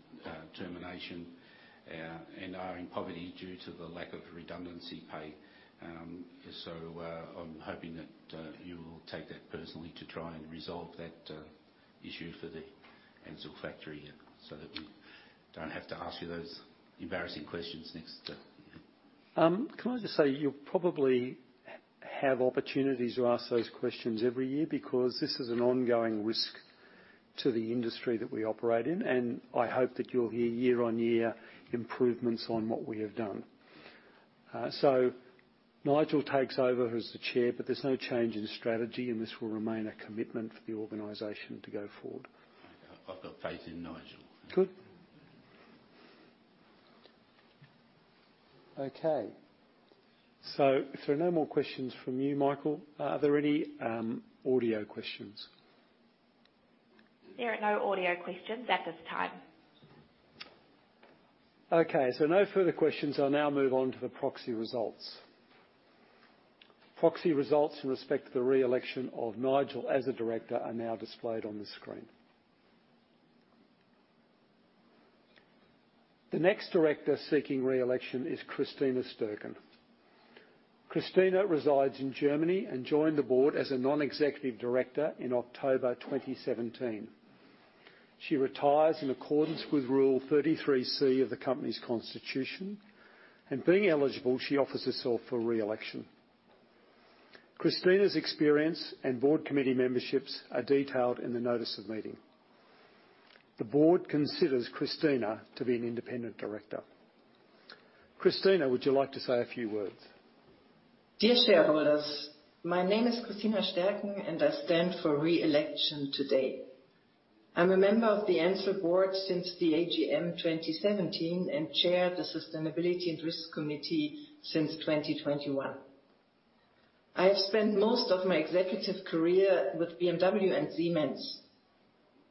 termination, and are in poverty due to the lack of redundancy pay. So, I'm hoping that you will take that personally to try and resolve that issue for the Ansell factory, so that we don't have to ask you those embarrassing questions next. Can I just say you'll probably have opportunities to ask those questions every year, because this is an ongoing risk to the industry that we operate in, and I hope that you'll hear year-on-year improvements on what we have done. So Nigel takes over as the Chair, but there's no change in strategy, and this will remain a commitment for the organization to go forward. I've got faith in Nigel. Good. Okay. So if there are no more questions from you, Michael, are there any audio questions? There are no audio questions at this time. Okay, so no further questions. I'll now move on to the proxy results. Proxy results in respect to the re-election of Nigel as a director are now displayed on the screen. The next director seeking re-election is Christina Stercken. Christina resides in Germany and joined the board as a non-executive director in October 2017. She retires in accordance with Rule 33C of the company's constitution, and being eligible, she offers herself for re-election. Christina's experience and board committee memberships are detailed in the notice of meeting. The board considers Christina to be an independent director. Christina, would you like to say a few words? Dear shareholders, my name is Christina Stercken, and I stand for re-election today. I'm a member of the Ansell board since the AGM 2017 and chair the Sustainability and Risk Committee since 2021. I have spent most of my executive career with BMW and Siemens.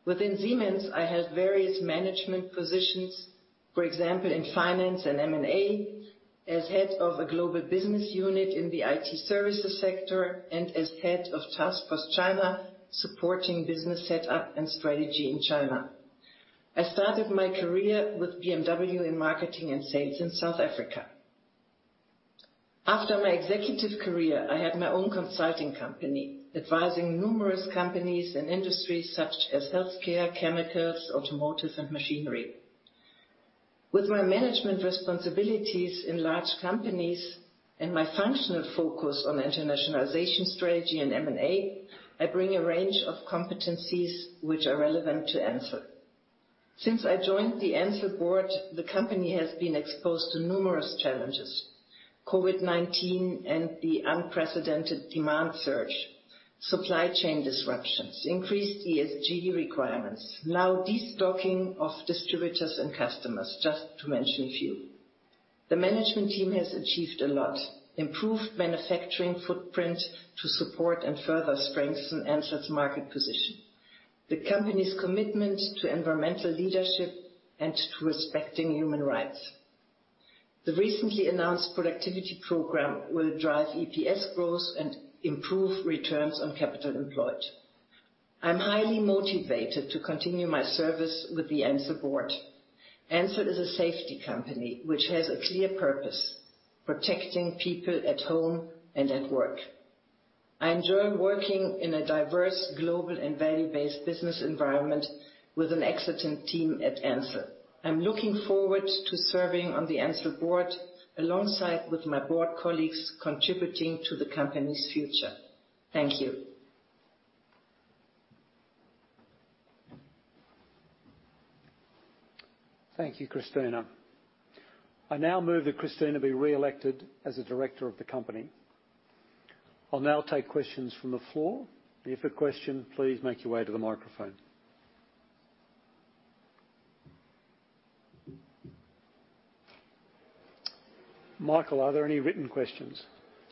Within Siemens, I had various management positions, for example, in finance and M&A, as head of a global business unit in the IT services sector, and as head of Task Force China, supporting business setup and strategy in China. I started my career with BMW in marketing and sales in South Africa. After my executive career, I had my own consulting company, advising numerous companies and industries such as healthcare, chemicals, automotive, and machinery. With my management responsibilities in large companies and my functional focus on internationalization strategy and M&A, I bring a range of competencies which are relevant to Ansell. Since I joined the Ansell board, the company has been exposed to numerous challenges: COVID-19 and the unprecedented demand surge, supply chain disruptions, increased ESG requirements, now, destocking of distributors and customers, just to mention a few. The management team has achieved a lot. Improved manufacturing footprint to support and further strengthen Ansell's market position, the company's commitment to environmental leadership and to respecting human rights. The recently announced productivity program will drive EPS growth and improve returns on capital employed. I'm highly motivated to continue my service with the Ansell board. Ansell is a safety company, which has a clear purpose: protecting people at home and at work. I enjoy working in a diverse, global, and value-based business environment with an excellent team at Ansell. I'm looking forward to serving on the Ansell board, alongside with my board colleagues, contributing to the company's future. Thank you. Thank you, Christina. I now move that Christina be re-elected as a director of the company. I'll now take questions from the floor. If a question, please make your way to the microphone. Michael, are there any written questions?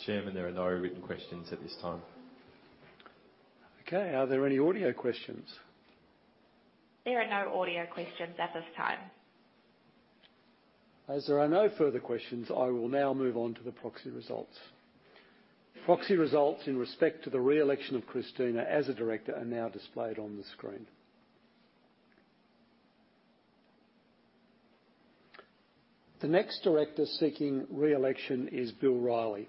Chairman, there are no written questions at this time. Okay. Are there any audio questions? There are no audio questions at this time. As there are no further questions, I will now move on to the proxy results. Proxy results in respect to the re-election of Christina as a director are now displayed on the screen. The next director seeking re-election is Bill Reilly.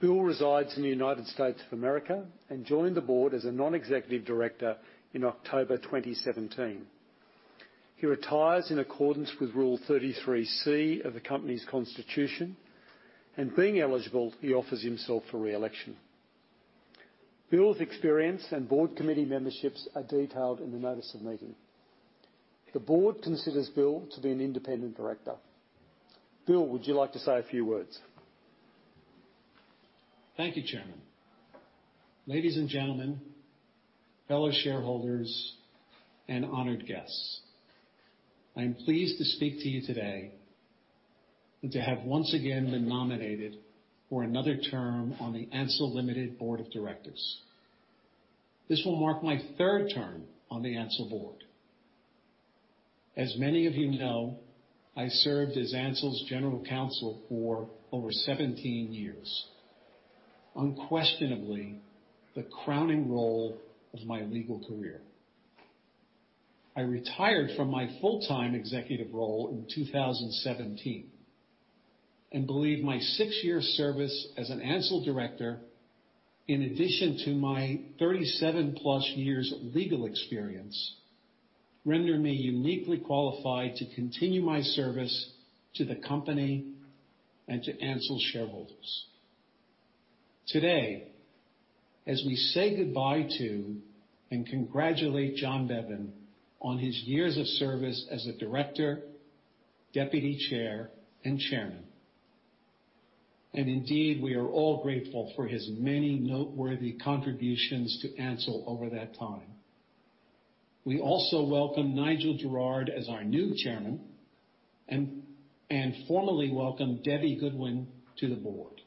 Bill resides in the United States of America and joined the board as a non-executive director in October 2017. He retires in accordance with Rule 33C of the company's constitution, and being eligible, he offers himself for re-election. Bill's experience and board committee memberships are detailed in the notice of meeting. The board considers Bill to be an independent director. Bill, would you like to say a few words? Thank you, Chairman. Ladies and gentlemen, fellow shareholders, and honored guests, I am pleased to speak to you today and to have once again been nominated for another term on the Ansell Limited Board of Directors. This will mark my third term on the Ansell Board. As many of you know, I served as Ansell's General Counsel for over 17 years, unquestionably the crowning role of my legal career. I retired from my full-time executive role in 2017, and believe my six-year service as an Ansell director, in addition to my 37+ years of legal experience, render me uniquely qualified to continue my service to the company and to Ansell shareholders. Today, as we say goodbye to and congratulate John Bevan on his years of service as a director, deputy chair, and chairman, and indeed, we are all grateful for his many noteworthy contributions to Ansell over that time. We also welcome Nigel Garrard as our new chairman and formally welcome Debra Goodin to the board.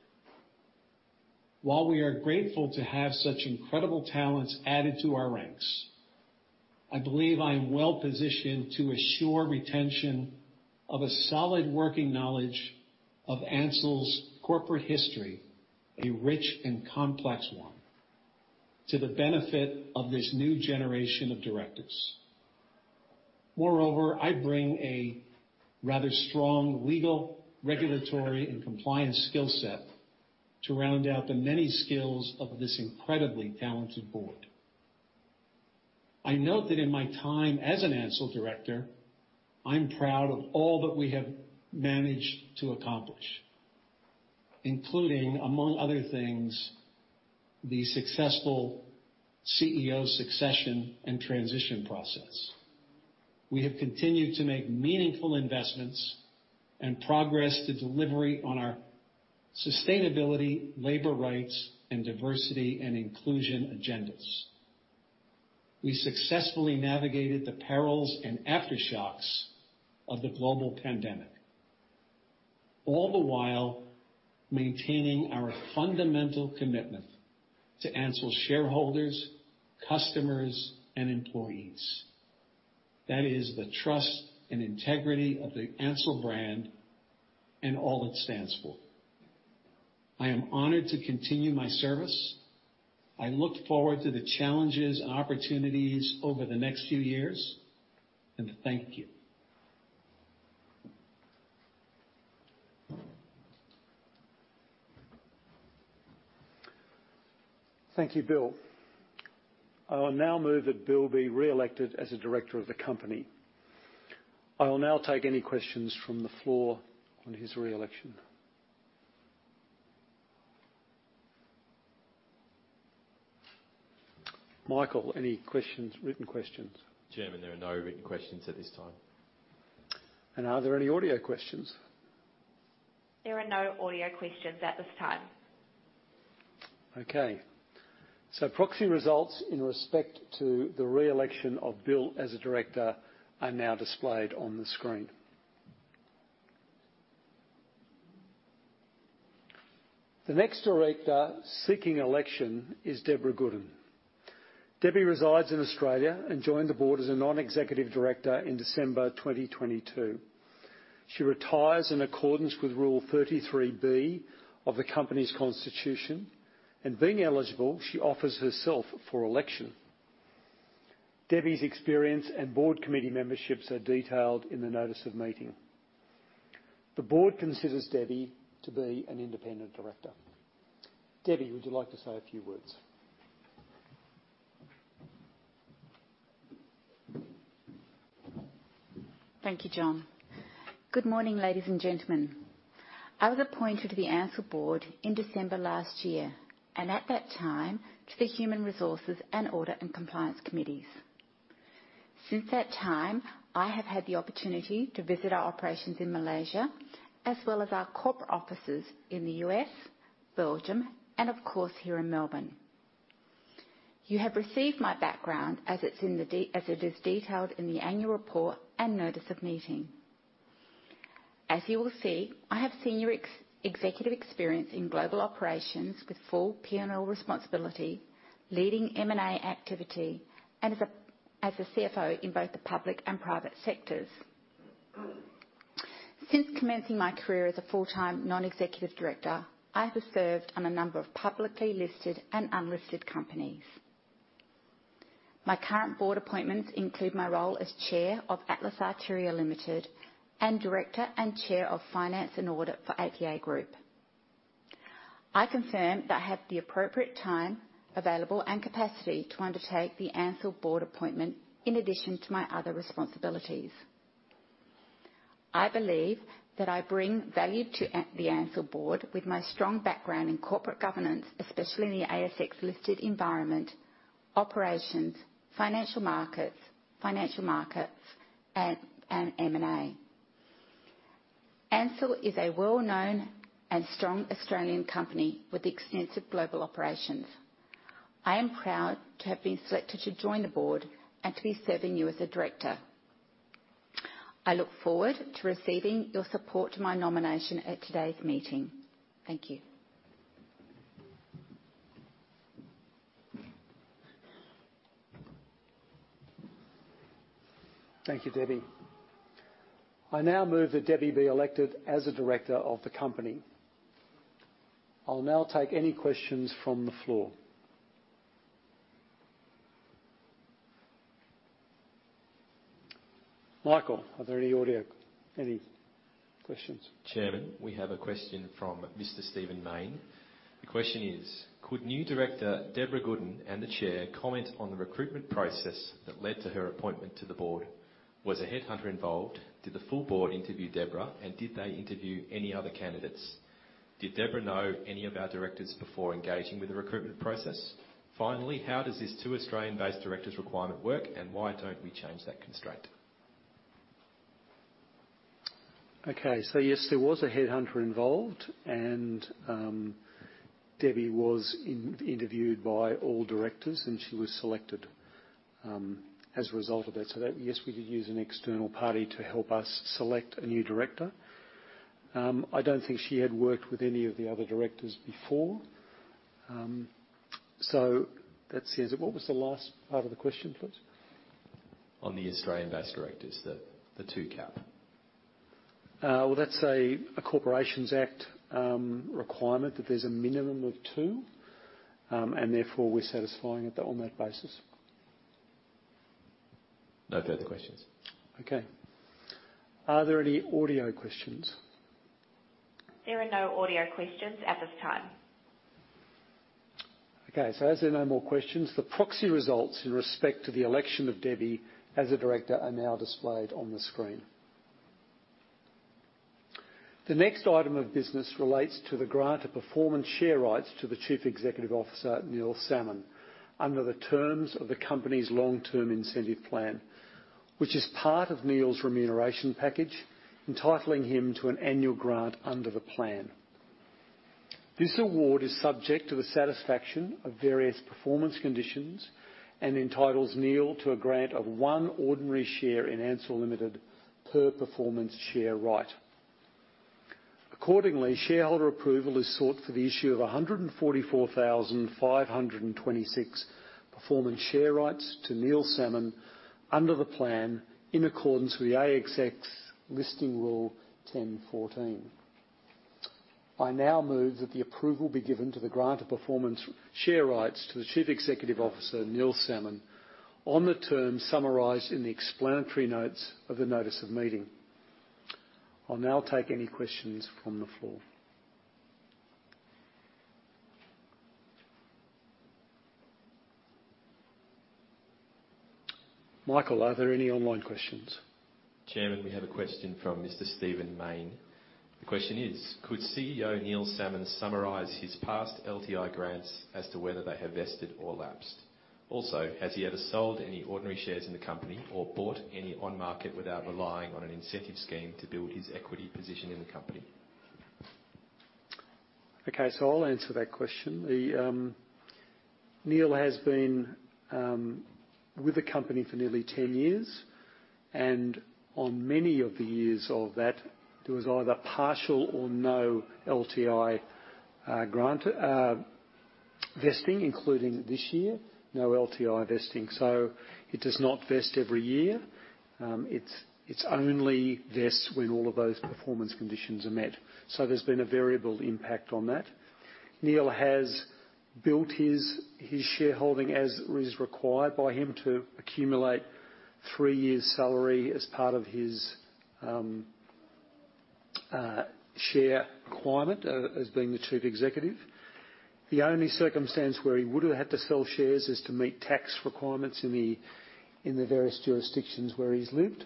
While we are grateful to have such incredible talents added to our ranks, I believe I am well positioned to assure retention of a solid working knowledge of Ansell's corporate history, a rich and complex one, to the benefit of this new generation of directors. Moreover, I bring a rather strong legal, regulatory, and compliance skill set to round out the many skills of this incredibly talented board. I note that in my time as an Ansell director, I'm proud of all that we have managed to accomplish, including, among other things, the successful CEO succession and transition process. We have continued to make meaningful investments and progress to delivery on our sustainability, labor rights, and diversity and inclusion agendas. We successfully navigated the perils and aftershocks of the global pandemic, all the while maintaining our fundamental commitment to Ansell shareholders, customers, and employees. That is the trust and integrity of the Ansell brand and all it stands for. I am honored to continue my service. I look forward to the challenges and opportunities over the next few years, and thank you. Thank you, Bill. I will now move that Bill be reelected as a director of the company. I will now take any questions from the floor on his re-election. Michael, any questions, written questions? Chairman, there are no written questions at this time. Are there any audio questions? There are no audio questions at this time. Okay, so proxy results in respect to the re-election of Bill as a director are now displayed on the screen. The next director seeking election is Debra Goodin. Debbie resides in Australia and joined the board as a non-executive director in December 2022. She retires in accordance with Rule 33B of the company's constitution, and being eligible, she offers herself for election. Debbie's experience and board committee memberships are detailed in the notice of meeting. The board considers Debbie to be an independent director. Debbie, would you like to say a few words? Thank you, John. Good morning, ladies and gentlemen. I was appointed to the Ansell board in December last year, and at that time, to the Human Resources and Audit and Compliance Committees. Since that time, I have had the opportunity to visit our operations in Malaysia, as well as our corporate offices in the U.S., Belgium, and of course, here in Melbourne. You have received my background as it is detailed in the annual report and notice of meeting. As you will see, I have senior executive experience in global operations with full P&L responsibility, leading M&A activity, and as a CFO in both the public and private sectors. Since commencing my career as a full-time non-executive director, I have served on a number of publicly listed and unlisted companies. My current board appointments include my role as Chair of Atlas Arteria Limited and Director and Chair of Finance and Audit for APA Group. I confirm that I have the appropriate time available and capacity to undertake the Ansell board appointment in addition to my other responsibilities. I believe that I bring value to the Ansell board with my strong background in corporate governance, especially in the ASX-listed environment, operations, financial markets and M&A. Ansell is a well-known and strong Australian company with extensive global operations. I am proud to have been selected to join the board and to be serving you as a director. I look forward to receiving your support to my nomination at today's meeting. Thank you. Thank you, Debbie. I now move that Debbie be elected as a director of the company. I'll now take any questions from the floor. Michael, are there any questions? Chairman, we have a question from Mr. Stephen Mayne. The question is: Could new director Debra Goodin and the Chair comment on the recruitment process that led to her appointment to the board? Was a headhunter involved? Did the full board interview Debra, and did they interview any other candidates? Did Debra know any of our directors before engaging with the recruitment process? Finally, how does this two Australian-based directors requirement work, and why don't we change that constraint? Okay, so yes, there was a headhunter involved, and Debbie was interviewed by all directors, and she was selected as a result of that. So that, yes, we did use an external party to help us select a new director. I don't think she had worked with any of the other directors before. So that's the answer. What was the last part of the question, please? On the Australian-based directors, the two cap. Well, that's a Corporations Act requirement that there's a minimum of two, and therefore, we're satisfying it on that basis. No further questions. Okay. Are there any audio questions? There are no audio questions at this time. Okay, so as there are no more questions, the proxy results in respect to the election of Debra as a director are now displayed on the screen. The next item of business relates to the grant of performance share rights to the Chief Executive Officer, Neil Salmon, under the terms of the company's long-term incentive plan, which is part of Neil's remuneration package, entitling him to an annual grant under the plan. This award is subject to the satisfaction of various performance conditions and entitles Neil to a grant of one ordinary share in Ansell Limited per performance share right. Accordingly, shareholder approval is sought for the issue of 144,526 performance share rights to Neil Salmon under the plan, in accordance with the ASX Listing Rule 10.14. I now move that the approval be given to the grant of performance share rights to the Chief Executive Officer, Neil Salmon, on the terms summarized in the explanatory notes of the notice of meeting. I'll now take any questions from the floor. Michael, are there any online questions? Chairman, we have a question from Mr. Stephen Mayne. The question is: Could CEO Neil Salmon summarize his past LTI grants as to whether they have vested or lapsed? Also, has he ever sold any ordinary shares in the company or bought any on-market without relying on an incentive scheme to build his equity position in the company? Okay, so I'll answer that question. Neil has been with the company for nearly 10 years, and on many of the years of that, there was either partial or no LTI grant vesting, including this year, no LTI vesting. So it does not vest every year. It's only vest when all of those performance conditions are met. So there's been a variable impact on that. Neil has built his shareholding as is required by him to accumulate three years' salary as part of his share requirement as being the Chief Executive. The only circumstance where he would have had to sell shares is to meet tax requirements in the various jurisdictions where he's lived,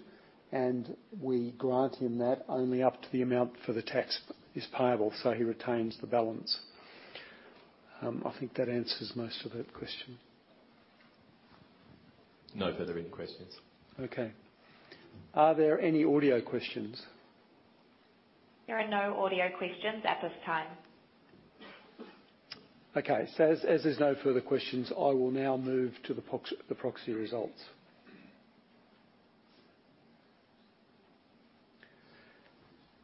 and we grant him that only up to the amount for the tax is payable, so he retains the balance. I think that answers most of that question. No further questions. Okay. Are there any audio questions? There are no audio questions at this time. Okay, so as there's no further questions, I will now move to the proxy results.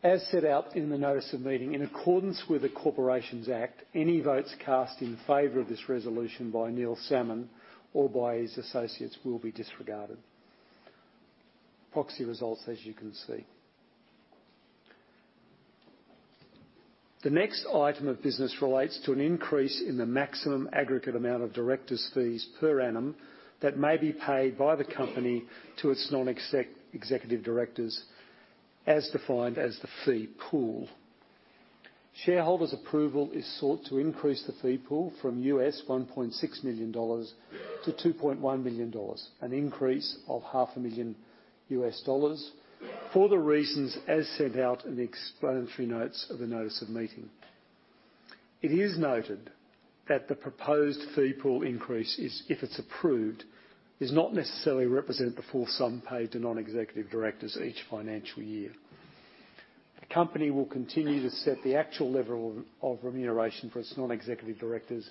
As set out in the notice of meeting, in accordance with the Corporations Act, any votes cast in favor of this resolution by Neil Salmon or by his associates will be disregarded. Proxy results, as you can see. The next item of business relates to an increase in the maximum aggregate amount of directors' fees per annum that may be paid by the company to its non-executive directors, as defined as the fee pool. Shareholders' approval is sought to increase the fee pool from $1.6 million-$2.1 million, an increase of $500,000, for the reasons as set out in the explanatory notes of the notice of meeting. It is noted that the proposed fee pool increase is, if it's approved, does not necessarily represent the full sum paid to non-executive directors each financial year. The company will continue to set the actual level of remuneration for its non-executive directors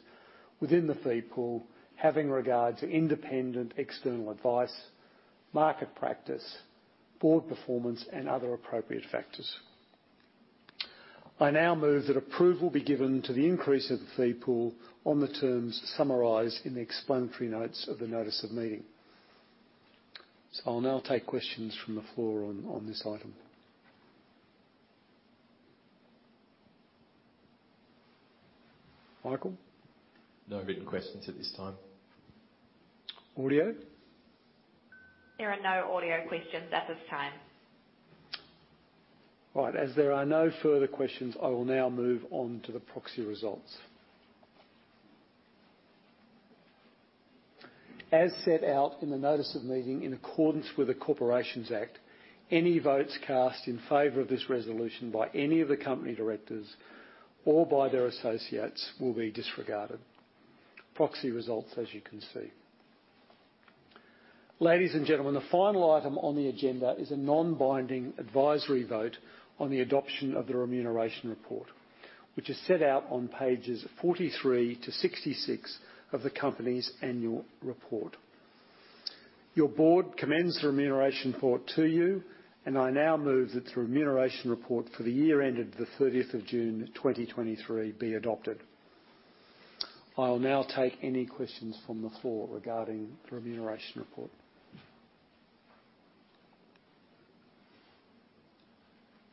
within the fee pool, having regard to independent external advice, market practice, board performance, and other appropriate factors. I now move that approval be given to the increase of the fee pool on the terms summarized in the explanatory notes of the notice of meeting. So I'll now take questions from the floor on this item. Michael? No written questions at this time. Audio? There are no audio questions at this time. All right. As there are no further questions, I will now move on to the proxy results. As set out in the notice of meeting, in accordance with the Corporations Act, any votes cast in favor of this resolution by any of the company directors or by their associates will be disregarded. Proxy results, as you can see. Ladies and gentlemen, the final item on the agenda is a non-binding advisory vote on the adoption of the remuneration report, which is set out on pages 43-66 of the company's annual report. Your board commends the remuneration report to you, and I now move that the remuneration report for the year ended the 30th of June, 2023, be adopted. I'll now take any questions from the floor regarding the remuneration report.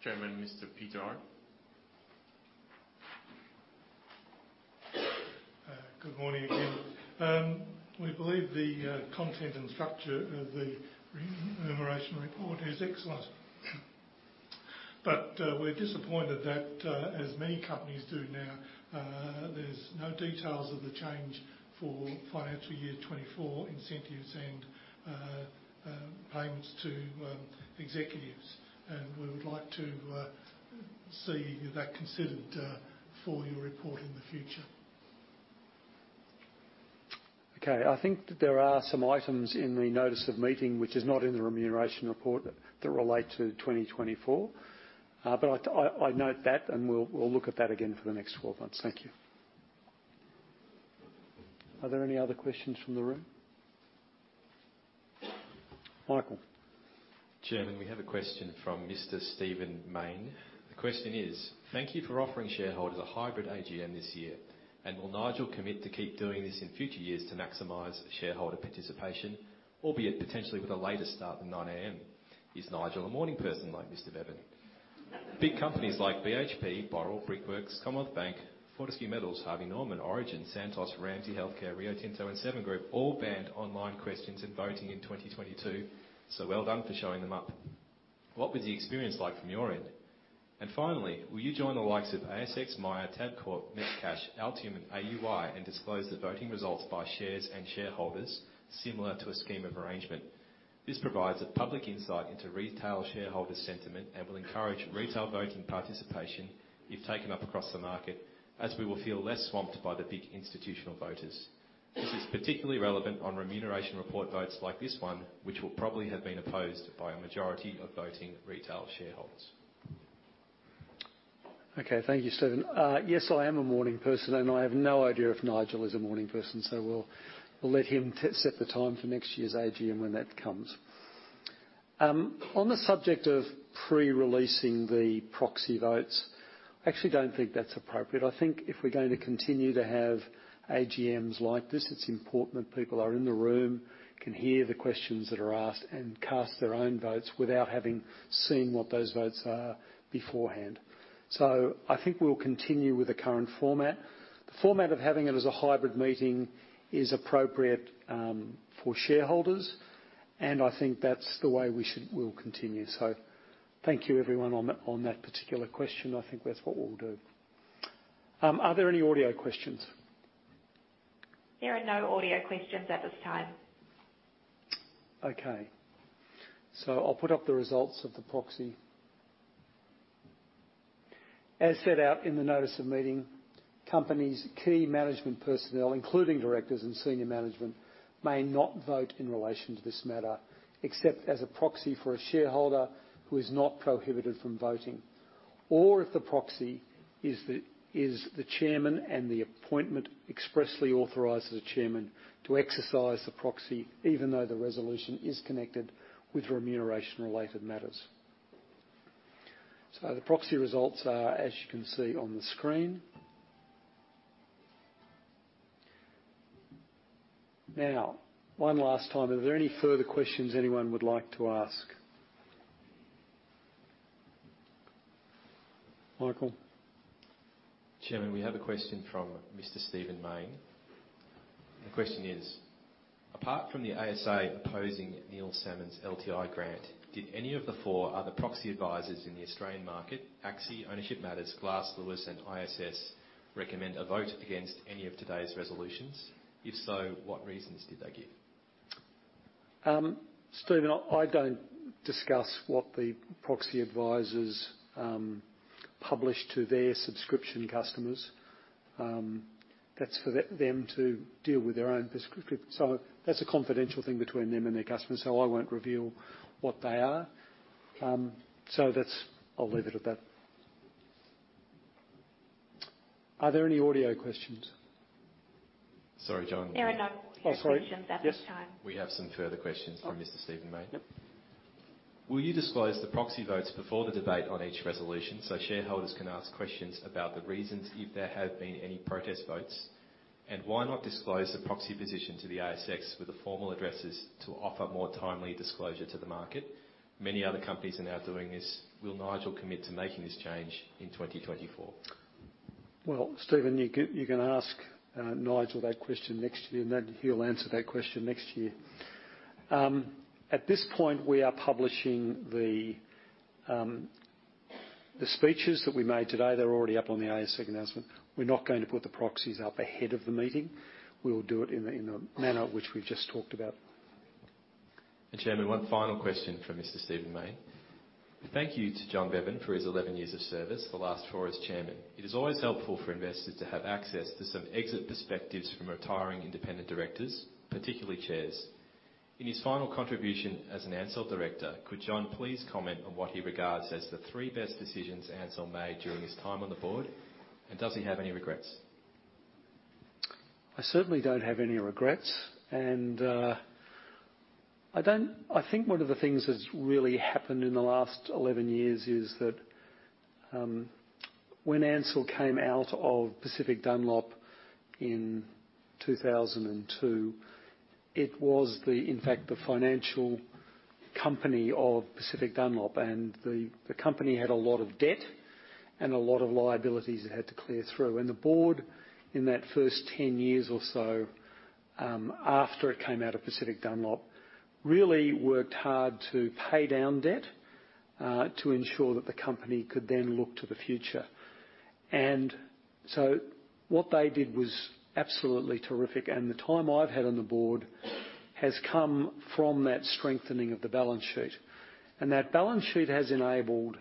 Chairman, Mr. Peter? Good morning again. We believe the content and structure of the remuneration report is excellent. But we're disappointed that, as many companies do now, there's no details of the change for financial year 2024 incentives and payments to executives, and we would like to see that considered for your report in the future. Okay, I think that there are some items in the notice of meeting, which is not in the remuneration report, that relate to 2024. But I note that, and we'll look at that again for the next twelve months. Thank you. Are there any other questions from the room? Michael. Chairman, we have a question from Mr. Stephen Mayne. The question is: Thank you for offering shareholders a hybrid AGM this year, and will Nigel commit to keep doing this in future years to maximize shareholder participation, albeit potentially with a later start than 9:00 A.M.? Is Nigel a morning person like Mr. Bevan? Big companies like BHP, Boral, Brickworks, Commonwealth Bank, Fortescue Metals, Harvey Norman, Origin, Santos, Ramsay Health Care, Rio Tinto, and Seven Group all banned online questions and voting in 2022. So well done for showing them up. What was the experience like from your end? And finally, will you join the likes of ASX, Myer, Tabcorp, Metcash, Altium, and AUI and disclose the voting results by shares and shareholders, similar to a scheme of arrangement? This provides a public insight into retail shareholder sentiment and will encourage retail voting participation if taken up across the market, as we will feel less swamped by the big institutional voters. This is particularly relevant on remuneration report votes like this one, which will probably have been opposed by a majority of voting retail shareholders. Okay. Thank you, Stephen. Yes, I am a morning person, and I have no idea if Nigel is a morning person, so we'll let him set the time for next year's AGM when that comes. On the subject of pre-releasing the proxy votes, I actually don't think that's appropriate. I think if we're going to continue to have AGMs like this, it's important that people are in the room, can hear the questions that are asked, and cast their own votes without having seen what those votes are beforehand. So I think we'll continue with the current format. The format of having it as a hybrid meeting is appropriate for shareholders, and I think that's the way we should we'll continue. So thank you, everyone, on that particular question. I think that's what we'll do. Are there any audio questions? There are no audio questions at this time. Okay, so I'll put up the results of the proxy. As set out in the notice of meeting, company's key management personnel, including directors and senior management, may not vote in relation to this matter, except as a proxy for a shareholder who is not prohibited from voting, or if the proxy is the chairman, and the appointment expressly authorizes the chairman to exercise the proxy, even though the resolution is connected with remuneration-related matters. So the proxy results are, as you can see on the screen. Now, one last time, are there any further questions anyone would like to ask? Michael? Chairman, we have a question from Mr. Stephen Mayne. The question is: Apart from the ASA opposing Neil Salmon's LTI grant, did any of the four other proxy advisors in the Australian market, ACSI, Ownership Matters, Glass Lewis, and ISS, recommend a vote against any of today's resolutions? If so, what reasons did they give? Stephen, I don't discuss what the proxy advisors publish to their subscription customers. That's for them to deal with their own prescriptions, so that's a confidential thing between them and their customers, so I won't reveal what they are. So that's... I'll leave it at that. Are there any audio questions? Sorry, John. There are no audio questions at this time. We have some further questions from Mr. Stephen Mayne. Yep. Will you disclose the proxy votes before the debate on each resolution, so shareholders can ask questions about the reasons, if there have been any protest votes? Why not disclose the proxy position to the ASX with the formal addresses to offer more timely disclosure to the market? Many other companies are now doing this. Will Nigel commit to making this change in 2024? Well, Stephen, you can, you can ask, Nigel that question next year, and then he'll answer that question next year. At this point, we are publishing the, the speeches that we made today. They're already up on the ASX announcement. We're not going to put the proxies up ahead of the meeting. We'll do it in the, in the manner which we've just talked about. Chairman, one final question from Mr. Stephen Mayne: "Thank you to John Bevan for his 11 years of service, the last 4 as chairman. It is always helpful for investors to have access to some exit perspectives from retiring independent directors, particularly chairs. In his final contribution as an Ansell director, could John please comment on what he regards as the 3 best decisions Ansell made during his time on the board, and does he have any regrets? I certainly don't have any regrets. And, I think one of the things that's really happened in the last 11 years is that, when Ansell came out of Pacific Dunlop in 2002, it was the, in fact, the financial company of Pacific Dunlop, and the, the company had a lot of debt and a lot of liabilities it had to clear through. And the board, in that first 10 years or so, after it came out of Pacific Dunlop, really worked hard to pay down debt, to ensure that the company could then look to the future. And so what they did was absolutely terrific, and the time I've had on the board has come from that strengthening of the balance sheet. That balance sheet has enabled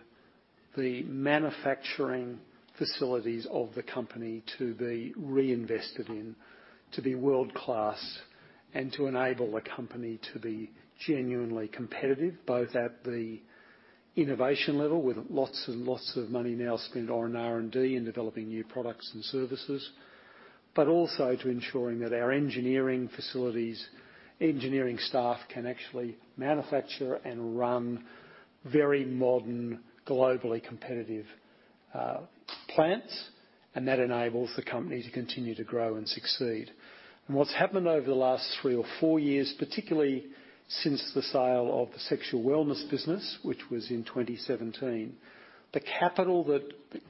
the manufacturing facilities of the company to be reinvested in, to be world-class, and to enable the company to be genuinely competitive, both at the innovation level, with lots and lots of money now spent on R&D in developing new products and services, but also to ensuring that our engineering facilities, engineering staff, can actually manufacture and run very modern, globally competitive, plants, and that enables the company to continue to grow and succeed. What's happened over the last three or four years, particularly since the sale of the Sexual Wellness business, which was in 2017, the capital that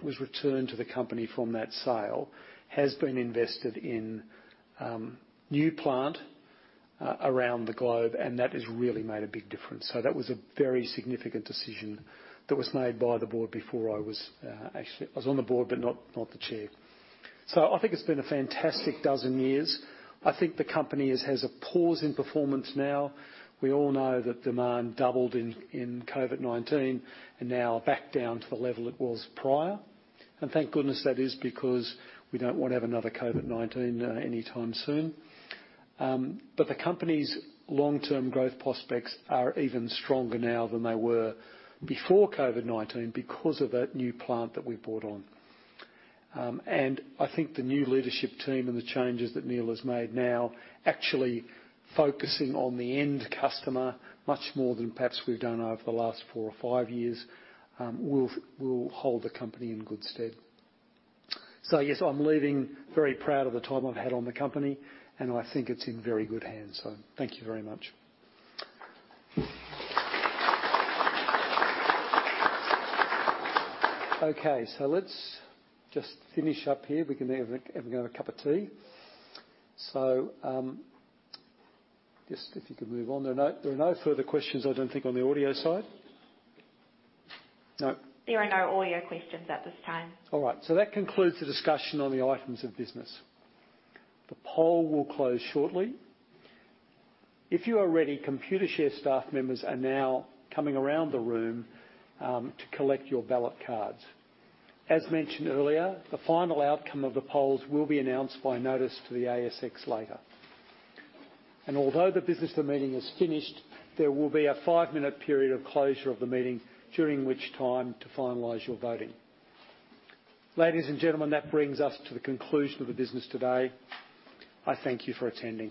was returned to the company from that sale has been invested in, new plant, around the globe, and that has really made a big difference. So that was a very significant decision that was made by the board before I was actually I was on the board, but not, not the chair. So I think it's been a fantastic dozen years. I think the company is, has a pause in performance now. We all know that demand doubled in COVID-19 and now back down to the level it was prior. And thank goodness that is because we don't want to have another COVID-19 anytime soon. But the company's long-term growth prospects are even stronger now than they were before COVID-19 because of that new plant that we bought on. And I think the new leadership team and the changes that Neil has made now, actually focusing on the end customer much more than perhaps we've done over the last four or five years, will hold the company in good stead. So, I guess I'm leaving very proud of the time I've had on the company, and I think it's in very good hands. So thank you very much. Okay, so let's just finish up here. We can have a cup of tea. So, just if you could move on. There are no further questions, I don't think, on the audio side? No. There are no audio questions at this time. All right. So that concludes the discussion on the items of business. The poll will close shortly. If you are ready, Computershare staff members are now coming around the room, to collect your ballot cards. As mentioned earlier, the final outcome of the polls will be announced by notice to the ASX later. And although the business of the meeting is finished, there will be a five-minute period of closure of the meeting, during which time to finalize your voting. Ladies and gentlemen, that brings us to the conclusion of the business today. I thank you for attending.